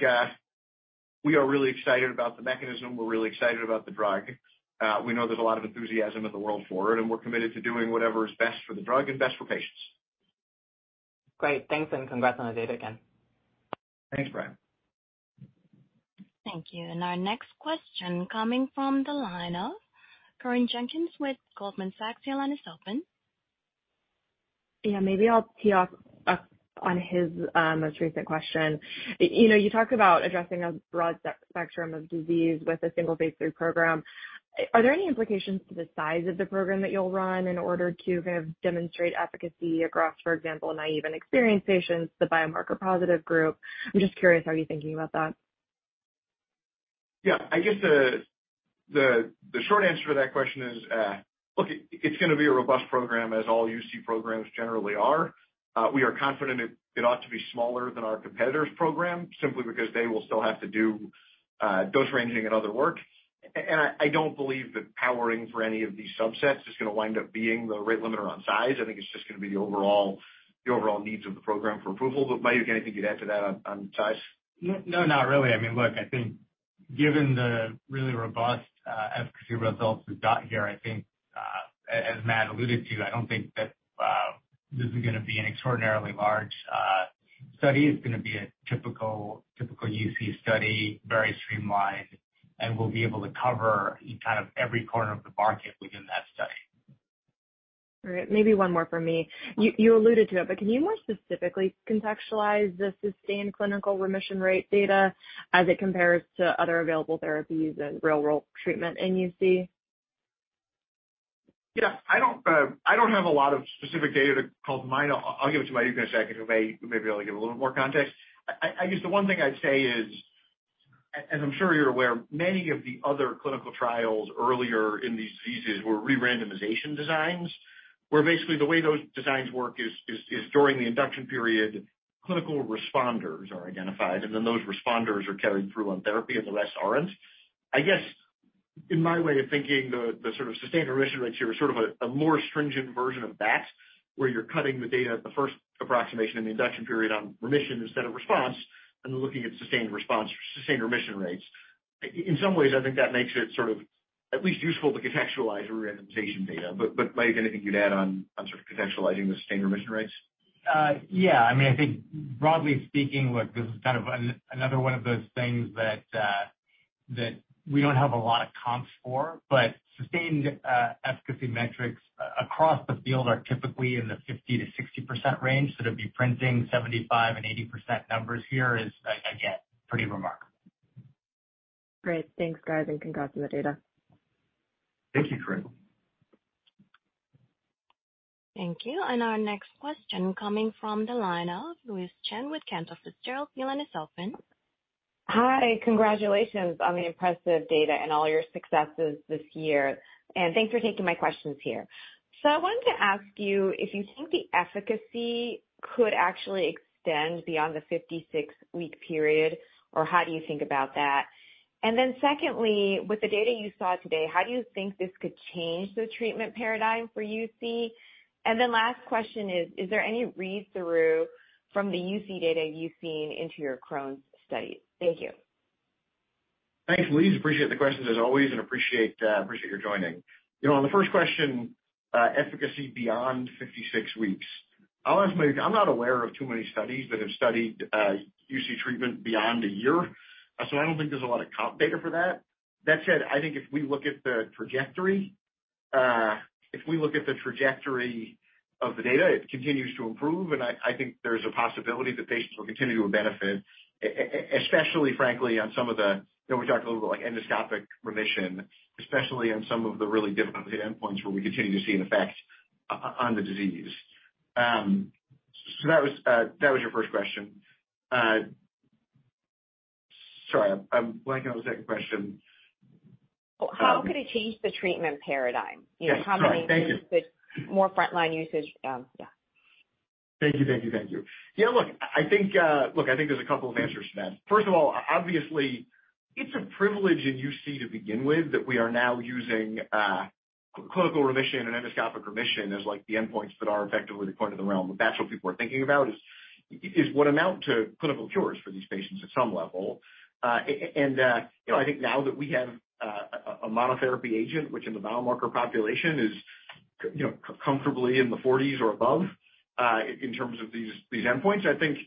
we are really excited about the mechanism. We're really excited about the drug. We know there's a lot of enthusiasm in the world for it, and we're committed to doing whatever is best for the drug and best for patients. Great. Thanks, and congrats on the data again. Thanks, Brian. Thank you. Our next question coming from the line of Corinne Jenkins with Goldman Sachs. Your line is open. Maybe I'll tee off on his most recent question. You know, you talked about addressing a broad spectrum of disease with a single phase III program. Are there any implications to the size of the program that you'll run in order to kind of demonstrate efficacy across, for example, naive and experienced patients, the biomarker positive group? I'm just curious, how are you thinking about that? Yeah. I guess the short answer to that question is, look, it's gonna be a robust program, as all UC programs generally are. We are confident it ought to be smaller than our competitor's program, simply because they will still have to do, dose ranging and other work. I don't believe that powering for any of these subsets is gonna wind up being the rate limiter on size. I think it's just gonna be the overall needs of the program for approval. Mayukh, anything you'd add to that on size? No, not really. I mean, look, I think given the really robust efficacy results we've got here, I think, as Matt alluded to, I don't think that this is gonna be an extraordinarily large study. It's gonna be a typical UC study, very streamlined, and we'll be able to cover kind of every corner of the market within that study. All right. Maybe one more from me. You alluded to it, can you more specifically contextualize the sustained clinical remission rate data as it compares to other available therapies and real-world treatment in UC? Yeah. I don't have a lot of specific data to call to mind. I'll give it to Mayukh in a second, who may be able to give a little more context. I guess the one thing I'd say is, as I'm sure you're aware, many of the other clinical trials earlier in these diseases were re-randomization designs, where basically the way those designs work is during the induction period, clinical responders are identified, and then those responders are carried through on therapy, and the rest aren't. I guess, in my way of thinking, the sort of sustained remission rates here are a more stringent version of that, where you're cutting the data at the first approximation in the induction period on remission instead of response, and looking at sustained response, sustained remission rates. In some ways, I think that makes it sort of at least useful to contextualize the randomization data. Mayukh, anything you'd add on sort of contextualizing the sustained remission rates? Yeah. I mean, I think broadly speaking, look, this is kind of another one of those things that we don't have a lot of comps for, but sustained efficacy metrics across the field are typically in the 50%-60% range. To be printing 75% and 80% numbers here is, again, pretty remarkable. Great. Thanks, guys, and congrats on the data. Thank you, Corinne. Thank you. Our next question coming from the line of Louise Chen with Cantor Fitzgerald. Your line is open. Hi. Congratulations on the impressive data and all your successes this year, and thanks for taking my questions here. I wanted to ask you if you think the efficacy could actually extend beyond the 56-week period, or how do you think about that? Secondly, with the data you saw today, how do you think this could change the treatment paradigm for UC? Last question is there any read-through from the UC data you've seen into your Crohn's study? Thank you. Thanks, Louise. Appreciate the questions as always, appreciate your joining. You know, on the first question, efficacy beyond 56 weeks. I'll ask Mayukh. I'm not aware of too many studies that have studied UC treatment beyond a year, I don't think there's a lot of comp data for that. That said, I think if we look at the trajectory of the data, it continues to improve, I think there's a possibility that patients will continue to benefit, especially frankly, on some of the... You know, we talked a little bit about endoscopic remission, especially on some of the really difficult endpoints where we continue to see an effect on the disease. That was your first question. Sorry, I'm blanking on the second question. Um- How could it change the treatment paradigm? Yes. Sorry. Thank you. You know, how many more frontline usage? Yeah. Thank you, thank you, thank you. Look, I think, look, I think there's a couple of answers to that. First of all, obviously, it's a privilege in UC to begin with, that we are now using clinical remission and endoscopic remission as like the endpoints that are effectively the point of the realm. That's what people are thinking about, is what amount to clinical cures for these patients at some level. And, you know, I think now that we have a monotherapy agent, which in the biomarker population is you know, comfortably in the forties or above, in terms of these endpoints, I think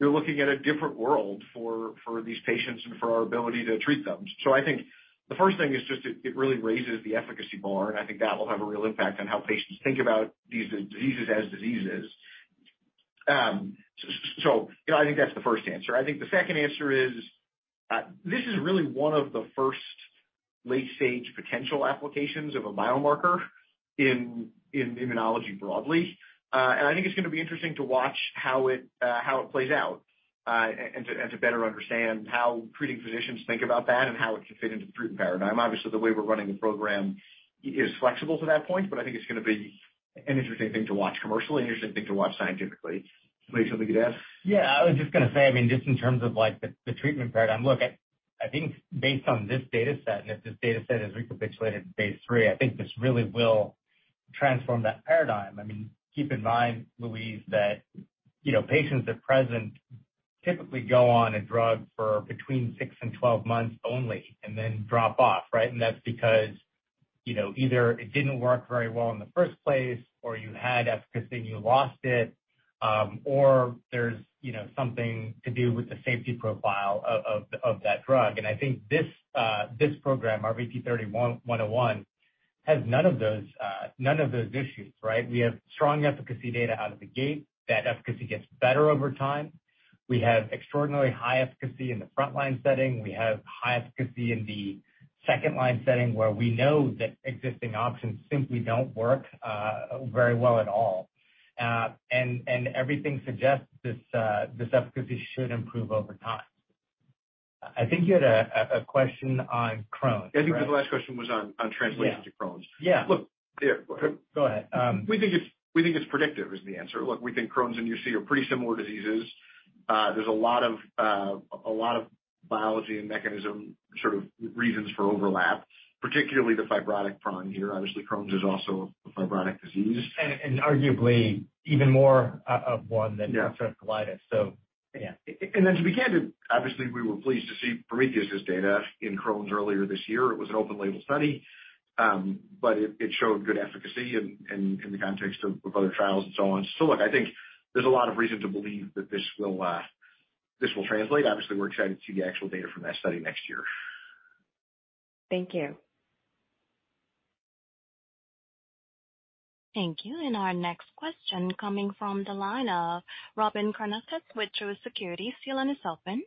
you're looking at a different world for these patients and for our ability to treat them. I think the first thing is just it really raises the efficacy bar, and I think that will have a real impact on how patients think about these diseases as diseases. So, you know, I think that's the first answer. I think the second answer is, this is really one of the first late-stage potential applications of a biomarker in immunology broadly. And I think it's gonna be interesting to watch how it plays out and to better understand how treating physicians think about that and how it can fit into the treatment paradigm. Obviously, the way we're running the program is flexible to that point, but I think it's gonna be an interesting thing to watch commercially, interesting thing to watch scientifically. Mayukh, something to add? Yeah, I was just gonna say, I mean, just in terms of, like, the treatment paradigm, look, I think based on this data set, and if this data set has recapitulated phase III, I think this really will transform that paradigm. I mean, keep in mind, Louise, that, you know, patients at present typically go on a drug for between six and 12 months only, and then drop off, right? That's because, you know, either it didn't work very well in the first place, or you had efficacy and you lost it, or there's, you know, something to do with the safety profile of that drug. I think this program, RVT-3111, has none of those, none of those issues, right? We have strong efficacy data out of the gate. That efficacy gets better over time. We have extraordinarily high efficacy in the frontline setting. We have high efficacy in the second-line setting, where we know that existing options simply don't work, very well at all. Everything suggests this efficacy should improve over time. I think you had a question on Crohn's, right? I think the last question was on translation to Crohn's. Yeah. Yeah. Look, yeah. Go ahead. We think it's predictive, is the answer. Look, we think Crohn's and UC are pretty similar diseases. There's a lot of, a lot of biology and mechanism, sort of, reasons for overlap, particularly the fibrotic prong here. Obviously, Crohn's is also a fibrotic disease. arguably even more of one. Yeah Ulcerative colitis. Yeah. Then to be candid, obviously, we were pleased to see Prometheus's data in Crohn's earlier this year. It was an open label study, but it showed good efficacy in the context of other trials and so on. Look, I think there's a lot of reason to believe that this will, this will translate. Obviously, we're excited to see the actual data from that study next year. Thank you. Thank you. Our next question coming from the line of Robyn Karnauskas with Truist Securities. Your line is open.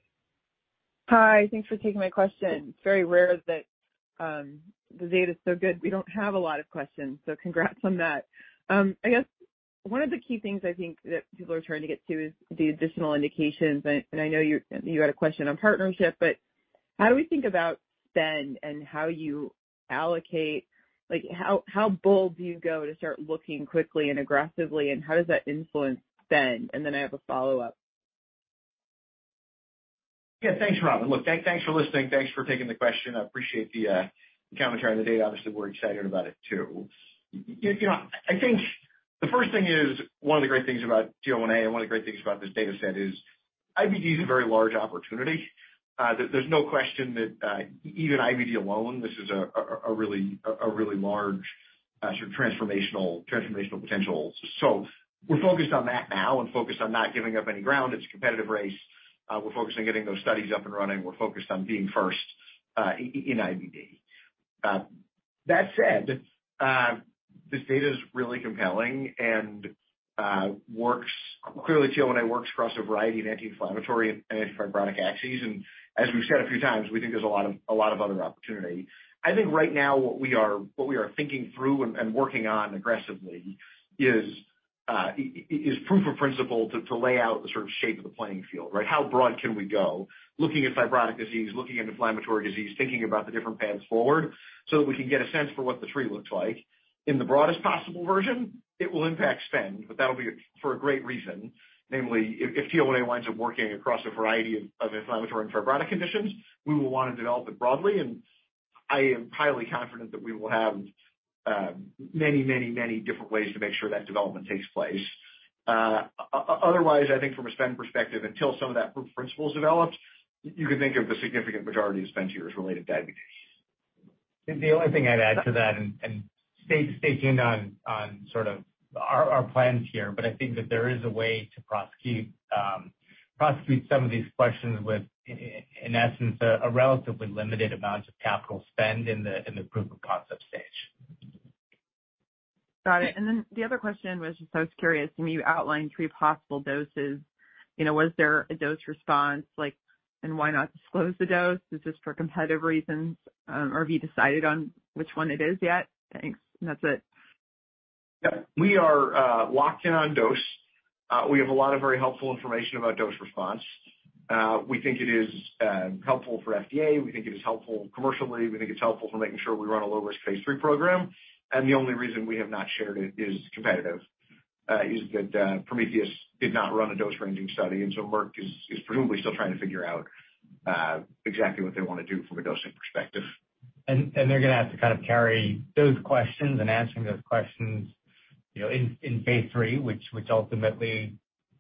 Hi, thanks for taking my question. It's very rare that the data's so good we don't have a lot of questions. Congrats on that. I guess one of the key things I think that people are trying to get to is the additional indications, and I know you had a question on partnership, but how do we think about spend and how you allocate how bold do you go to start looking quickly and aggressively, and how does that influence spend? Then I have a follow-up. Yeah, thanks, Robyn. Look, thanks for listening. Thanks for taking the question. I appreciate the commentary on the data. Obviously, we're excited about it, too. You know, I think the first thing is, one of the great things about TL1A and one of the great things about this data set is IBD is a very large opportunity. There's no question that even IBD alone, this is a really, really large, sort of, transformational potential. We're focused on that now and focused on not giving up any ground. It's a competitive race. We're focused on getting those studies up and running. We're focused on being first in IBD. That said, this data is really compelling and works... Clearly, TL1A works across a variety of anti-inflammatory and anti-fibrotic axes, and as we've said a few times, we think there's a lot of other opportunity. I think right now what we are thinking through and working on aggressively is proof of principle to lay out the sort of shape of the playing field, right? How broad can we go? Looking at fibrotic disease, looking at inflammatory disease, thinking about the different paths forward, so that we can get a sense for what the tree looks like. In the broadest possible version, it will impact spend, but that'll be for a great reason. Namely, if TL1A winds up working across a variety of inflammatory and fibrotic conditions, we will want to develop it broadly, and I am highly confident that we will have many different ways to make sure that development takes place. Otherwise, I think from a spend perspective, until some of that proof principle is developed, you can think of the significant majority of spend here as related to IBD. The only thing I'd add to that and staying on sort of our plans here, but I think that there is a way to prosecute some of these questions with in essence, a relatively limited amount of capital spend in the proof of concept stage. Got it. The other question was just, I was curious, when you outlined three possible doses, you know, was there a dose response? Like, why not disclose the dose? Is this for competitive reasons, or have you decided on which one it is yet? Thanks. That's it. Yeah. We are locked in on dose. We have a lot of very helpful information about dose response. We think it is helpful for FDA. We think it is helpful commercially. We think it's helpful for making sure we run a low-risk phase III program. The only reason we have not shared it is competitive. Is that Prometheus did not run a dose-ranging study. Merck is presumably still trying to figure out exactly what they want to do from a dosing perspective. They're gonna have to kind of carry those questions and answering those questions, you know, in phase III, which ultimately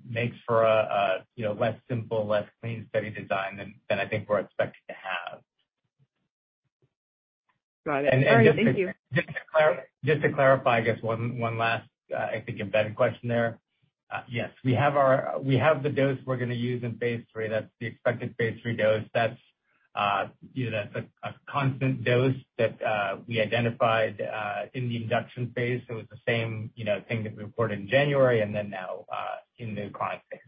makes for a, you know, less simple, less clean study design than I think we're expected to have. Got it. All right. Thank you. Just to clarify, I guess one last, I think embedded question there. Yes, we have the dose we're gonna use in phase III. That's the expected phase III dose. That's, you know, that's a constant dose that we identified in the induction phase. It was the same, you know, thing that we reported in January and then now in the chronic phase.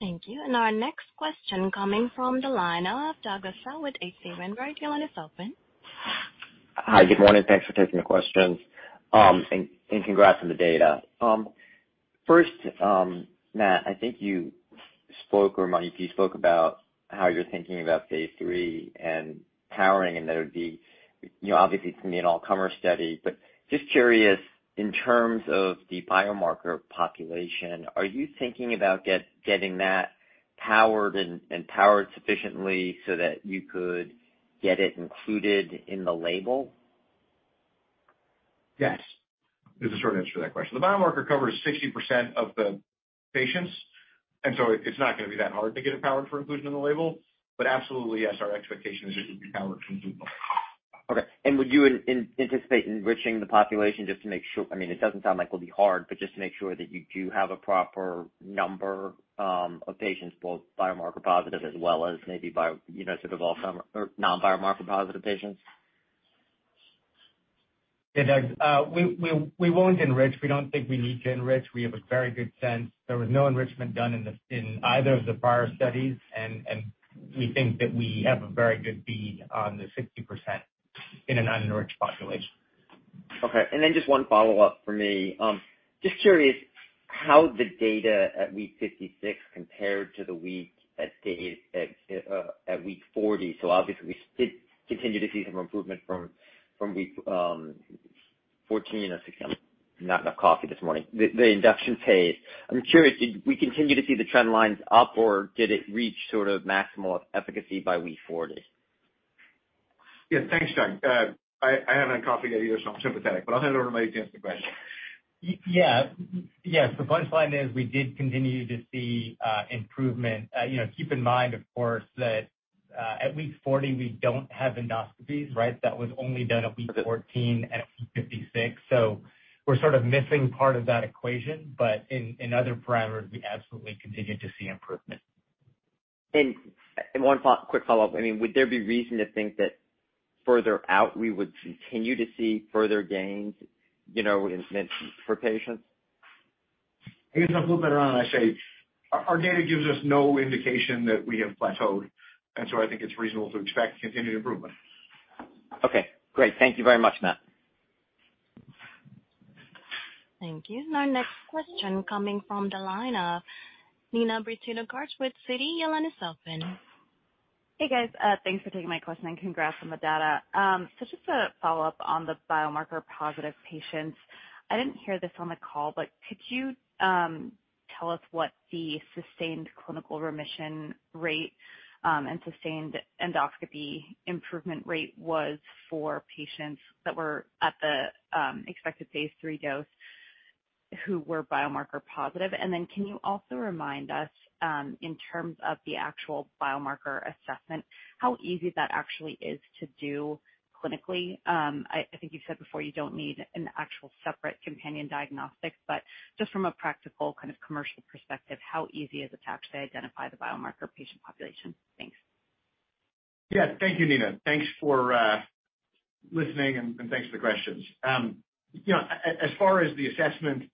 Thank you. Our next question coming from the line of Doug Elsa with H.C. Wainwright. Your line is open. Hi, good morning. Thanks for taking the questions. Congrats on the data. First, Matt, I think you spoke, or Monty, you spoke about how you're thinking about phase III and powering, and that would be, you know, obviously it's going to be an all-comer study. Just curious, in terms of the biomarker population, are you thinking about getting that powered and powered sufficiently so that you could get it included in the label? Yes, is the short answer to that question. The biomarker covers 60% of the patients. It's not gonna be that hard to get it powered for inclusion in the label. Absolutely, yes, our expectation is it would be powered for inclusion. Okay. Would you anticipate enriching the population just to make sure. I mean, it doesn't sound like it will be hard, but just to make sure that you do have a proper number of patients, both biomarker positive as well as maybe you know, sort of, all come or non-biomarker positive patients? Yeah, Doug, we won't enrich. We don't think we need to enrich. We have a very good sense. There was no enrichment done in either of the prior studies, and we think that we have a very good bead on the 60% in an unenriched population. Okay, just one follow-up for me. Just curious how the data at week 56 compared to the week at week 40? Obviously, we did continue to see some improvement from week 14 or 16. Not enough coffee this morning. The induction phase. I'm curious, did we continue to see the trend lines up, or did it reach sort of maximal efficacy by week 40? Yeah. Thanks, Doug. I haven't had coffee yet either, so I'm sympathetic, but I'll hand it over to Mayukh to answer the question. Yeah. Yes, the punchline is we did continue to see improvement. You know, keep in mind, of course, that at week 40, we don't have endoscopies, right? That was only done at week 14 and at week 56. We're sort of missing part of that equation, but in other parameters, we absolutely continued to see improvement. One quick follow-up. I mean, would there be reason to think that further out, we would continue to see further gains, you know, in for patients? I guess I'll flip it around. I'd say, our data gives us no indication that we have plateaued. I think it's reasonable to expect continued improvement. Okay, great. Thank you very much, Matt. Thank you. Our next question coming from the line of Neena Bitritto-Garg with Citi. Your line is open. Hey, guys. Thanks for taking my question, and congrats on the data. Just to follow up on the biomarker positive patients, I didn't hear this on the call, but could you tell us what the sustained clinical remission rate and sustained endoscopy improvement rate was for patients that were at the expected phase III dose, who were biomarker positive? Can you also remind us in terms of the actual biomarker assessment, how easy that actually is to do clinically? I think you've said before, you don't need an actual separate companion diagnostic, but just from a practical kind of commercial perspective, how easy is it to actually identify the biomarker patient population? Thanks. Yeah. Thank you, Neena. Thanks for listening, and thanks for the questions. You know, as far as the assessment,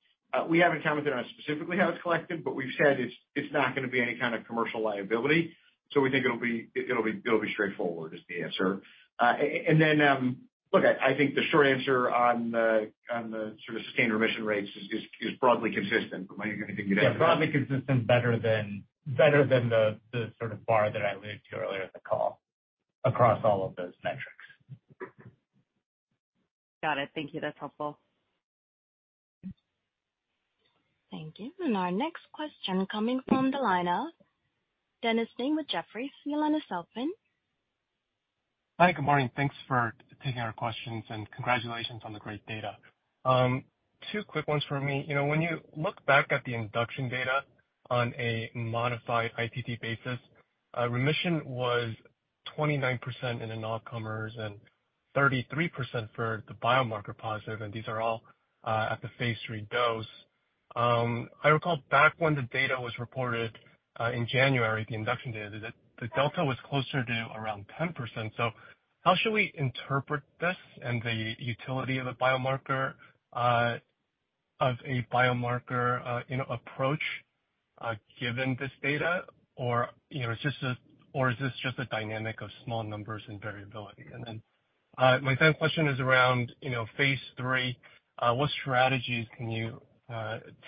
we haven't commented on specifically how it's collected, but we've said it's not gonna be any kind of commercial liability, so we think it'll be straightforward, is the answer. Then, look, I think the short answer on the sort of sustained remission rates is broadly consistent. Mayukh, anything you'd like to add? Yeah, broadly consistent, better than the sort of bar that I alluded to earlier in the call, across all of those metrics. Got it. Thank you. That's helpful. Thank you. Our next question coming from the line of Dennis Ding with Jefferies. Your line is open. Hi, good morning. Thanks for taking our questions, and congratulations on the great data. Two quick ones from me. You know, when you look back at the induction data on a modified ITT basis, remission was 29% in all comers and 33% for the biomarker positive, and these are all at the phase III dose. I recall back when the data was reported in January, the induction data, that the delta was closer to around 10%. How should we interpret this and the utility of a biomarker, of a biomarker, you know, approach, given this data? Or, you know, is this or is this just a dynamic of small numbers and variability? My second question is around, you know, phase III. What strategies can you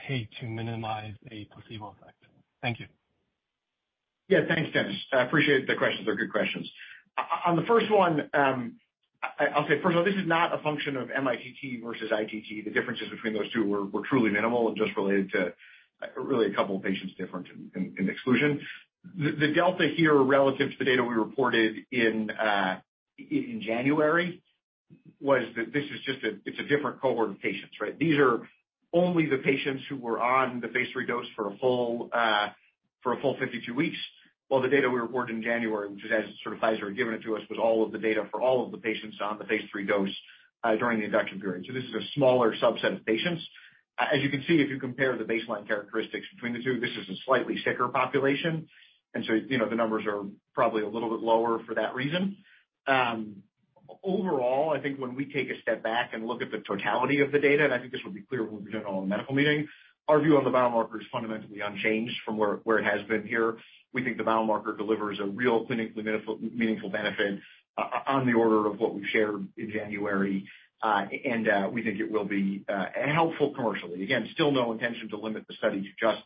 take to minimize a placebo effect? Thank you. Yeah, thanks, Dennis. I appreciate the questions. They're good questions. On the first one, I'll say, first of all, this is not a function of mITT versus ITT. The differences between those two were truly minimal and just related to really a couple of patients different in exclusion. The delta here relative to the data we reported in January, was that it's a different cohort of patients, right? These are only the patients who were on the phase III dose for a whole for a full 52 weeks, while the data we reported in January, which is as sort of Pfizer had given it to us, was all of the data for all of the patients on the phase III dose during the induction period. This is a smaller subset of patients. As you can see, if you compare the baseline characteristics between the two, this is a slightly sicker population, and so, you know, the numbers are probably a little bit lower for that reason. Overall, I think when we take a step back and look at the totality of the data, and I think this will be clear when we present it all in the medical meeting, our view on the biomarker is fundamentally unchanged from where it has been here. We think the biomarker delivers a real clinically meaningful benefit on the order of what we shared in January. We think it will be helpful commercially. Again, still no intention to limit the study to just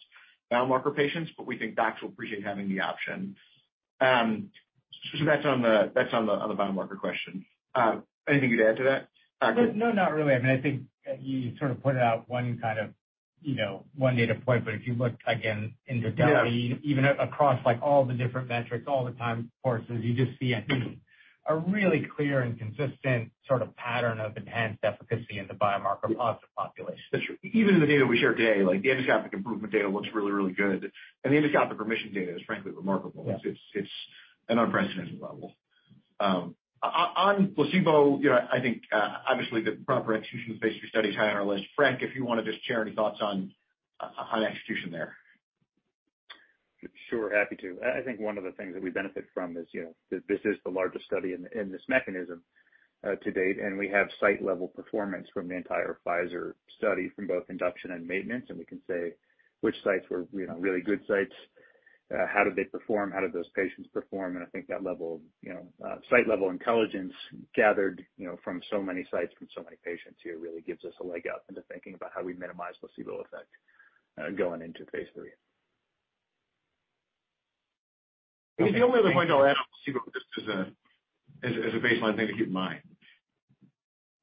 biomarker patients, but we think docs will appreciate having the option. That's on the on the biomarker question. Anything you'd add to that, Mayukh? No, not really. I mean, I think, you sort of pointed out one kind of, you know, one data point, but if you look again in the data- Yeah... Even across, like, all the different metrics, all the time courses, you just see a really clear and consistent sort of pattern of enhanced efficacy in the biomarker-positive population. That's true. Even in the data we shared today, like, the endoscopic improvement data looks really, really good, and the endoscopic remission data is frankly remarkable. Yeah. It's an unprecedented level. On placebo, you know, I think, obviously, the proper execution of the phase III study is high on our list. Frank, if you want to just share any thoughts on execution there? Sure, happy to. I think one of the things that we benefit from is, you know, that this is the largest study in this mechanism to date, and we have site-level performance from the entire Pfizer study, from both induction and maintenance. We can say which sites were, you know, really good sites.... How did they perform? How did those patients perform? I think that level, you know, site-level intelligence gathered, you know, from so many sites, from so many patients here, really gives us a leg up into thinking about how we minimize placebo effect, going into phase III. I think the only other point I'll add on placebo, just as a baseline thing to keep in mind.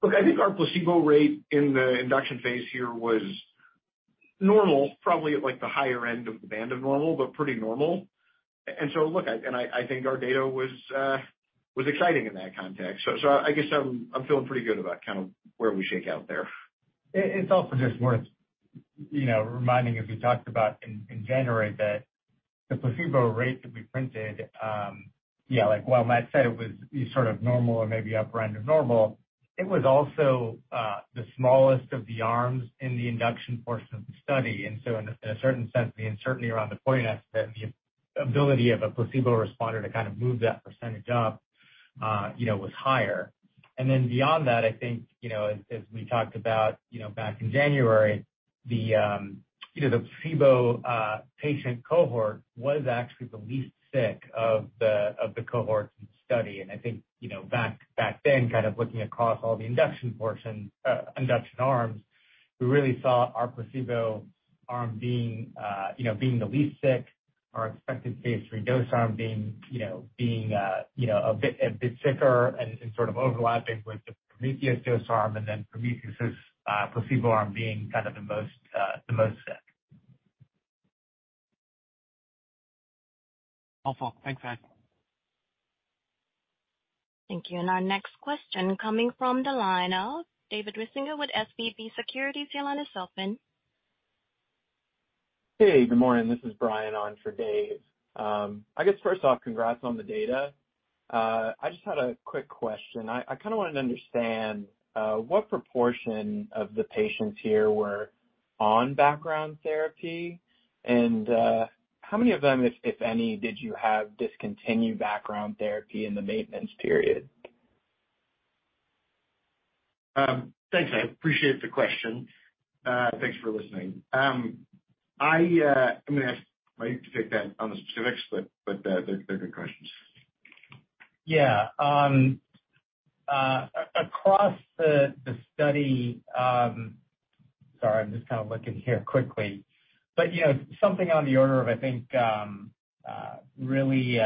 Look, I think our placebo rate in the induction phase here was normal, probably at, like, the higher end of the band of normal, but pretty normal. Look, I think our data was exciting in that context. I guess I'm feeling pretty good about kind of where we shake out there. It's also just worth, you know, reminding, as we talked about in January, that the placebo rate that we printed, yeah, like, while Matt said it was sort of normal or maybe upper end of normal, it was also the smallest of the arms in the induction portion of the study. In a certain sense, the uncertainty around the point est that the ability of a placebo responder to kind of move that percentage up, you know, was higher. Beyond that, I think, you know, as we talked about, you know, back in January, the, you know, the placebo patient cohort was actually the least sick of the cohorts in the study. I think, you know, back then, kind of looking across all the induction portion, induction arms, we really saw our placebo arm being, you know, being the least sick, our expected phase III dose arm being, you know, being, you know, a bit sicker and sort of overlapping with the Prometheus dose arm and then Prometheus's placebo arm being kind of the most sick. Wonderful. Thanks, Matt. Thank you. Our next question coming from the line of David Risinger with SVB Securities. Your line is open. Hey, good morning. This is Brian on for Dave. I guess first off, congrats on the data. I just had a quick question. I kind of wanted to understand, what proportion of the patients here were on background therapy and, how many of them, if any, did you have discontinued background therapy in the maintenance period? Thanks, I appreciate the question. Thanks for listening. I'm gonna ask Mayukh to take that on the specifics, but they're good questions. Yeah. across the study. Sorry, I'm just kind of looking here quickly, but, you know, something on the order of, I think, really,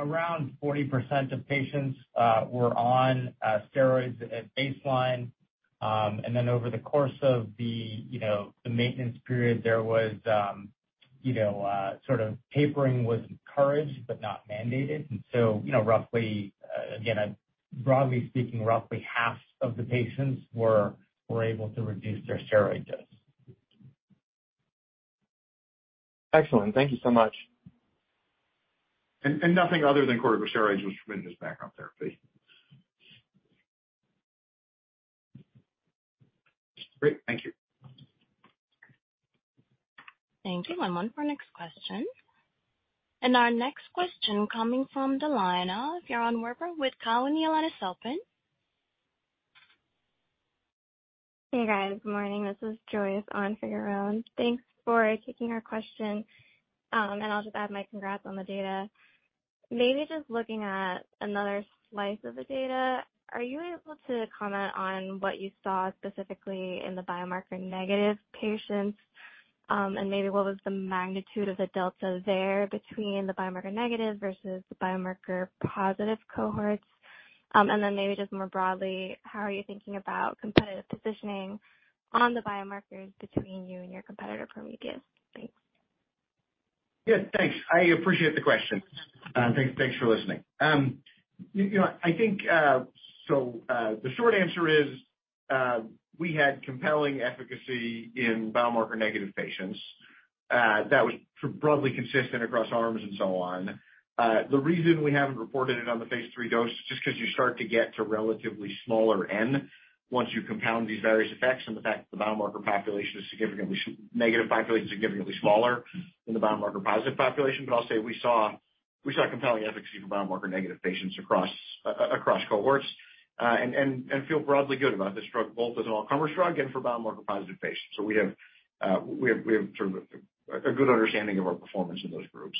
around 40% of patients were on steroids at baseline. Over the course of the, you know, the maintenance period, there was, you know, sort of tapering was encouraged, but not mandated. You know, roughly, again, broadly speaking, roughly half of the patients were able to reduce their steroid dose. Excellent. Thank you so much. Nothing other than corticosteroids was in this background therapy. Great. Thank you. Thank you. One moment for our next question. Our next question coming from the line of Yaron Werber with Cowen. Your line is open. Hey, guys, good morning. This is Joyce on for Yaron. Thanks for taking our question. I'll just add my congrats on the data. Maybe just looking at another slice of the data, are you able to comment on what you saw specifically in the biomarker-negative patients? Maybe what was the magnitude of the delta there between the biomarker-negative versus the biomarker-positive cohorts? Maybe just more broadly, how are you thinking about competitive positioning on the biomarkers between you and your competitor, Prometheus? Thanks. Yeah, thanks. I appreciate the question. Thanks for listening. You know, I think, the short answer is, we had compelling efficacy in biomarker-negative patients. That was broadly consistent across arms and so on. The reason we haven't reported it on the phase III dose is just 'cause you start to get to relatively smaller N, once you compound these various effects, and the fact that the biomarker population is significantly, negative population is significantly smaller than the biomarker-positive population. I'll say we saw compelling efficacy for biomarker-negative patients across cohorts. And feel broadly good about this drug, both as an all-comers drug and for biomarker-positive patients. We have sort of a good understanding of our performance in those groups.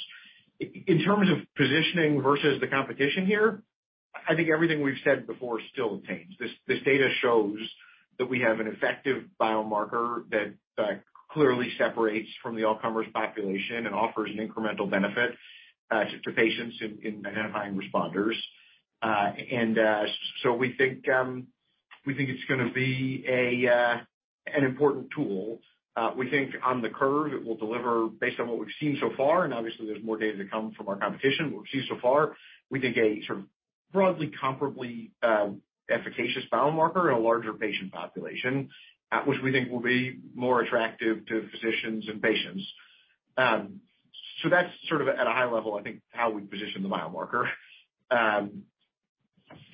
In terms of positioning versus the competition here, I think everything we've said before still obtains. This data shows that we have an effective biomarker that clearly separates from the all-comers population and offers an incremental benefit to patients in identifying responders. We think it's gonna be an important tool. We think on the curve, it will deliver, based on what we've seen so far, and obviously there's more data to come from our competition. What we've seen so far, we think a sort of broadly, comparably efficacious biomarker in a larger patient population, which we think will be more attractive to physicians and patients. That's sort of at a high level, I think, how we position the biomarker.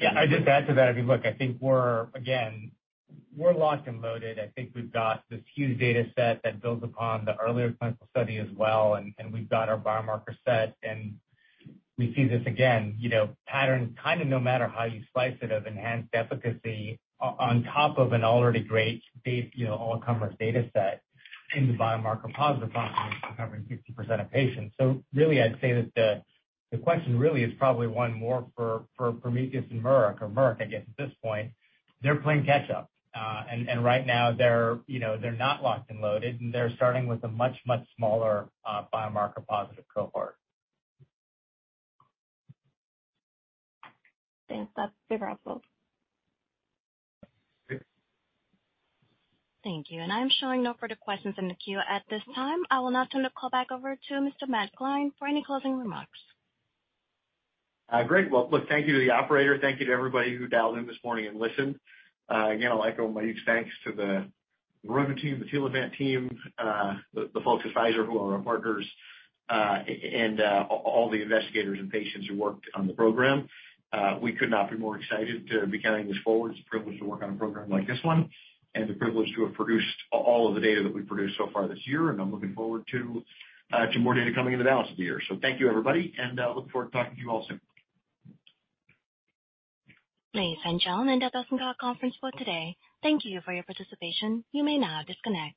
Yeah, I'd just add to that. I mean, look, I think we're, again, we're locked and loaded. I think we've got this huge data set that builds upon the earlier clinical study as well, and we've got our biomarker set, and we see this again, you know, pattern, kind of no matter how you slice it, of enhanced efficacy on top of an already great base, you know, all-comer data set in the biomarker-positive population, covering 50% of patients. Really, I'd say that the question really is probably one more for Prometheus and Merck or Merck, I guess, at this point. They're playing catch up, and right now they're, you know, they're not locked and loaded, and they're starting with a much smaller biomarker-positive cohort. Thanks. That's super helpful. Great. Thank you. I'm showing no further questions in the queue at this time. I will now turn the call back over to Mr. Matt Gline for any closing remarks. Great. Look, thank you to the operator, thank you to everybody who dialed in this morning and listened. Again, I'll echo Mayukh's thanks to the Immunovant team, the Telavant team, the folks at Pfizer who are our partners, and all the investigators and patients who worked on the program. We could not be more excited to be carrying this forward. It's a privilege to work on a program like this one, and a privilege to have produced all of the data that we've produced so far this year, and I'm looking forward to more data coming in the balance of the year. Thank you, everybody, and look forward to talking to you all soon. Ladies and gentlemen, that does end our conference call today. Thank you for your participation. You may now disconnect.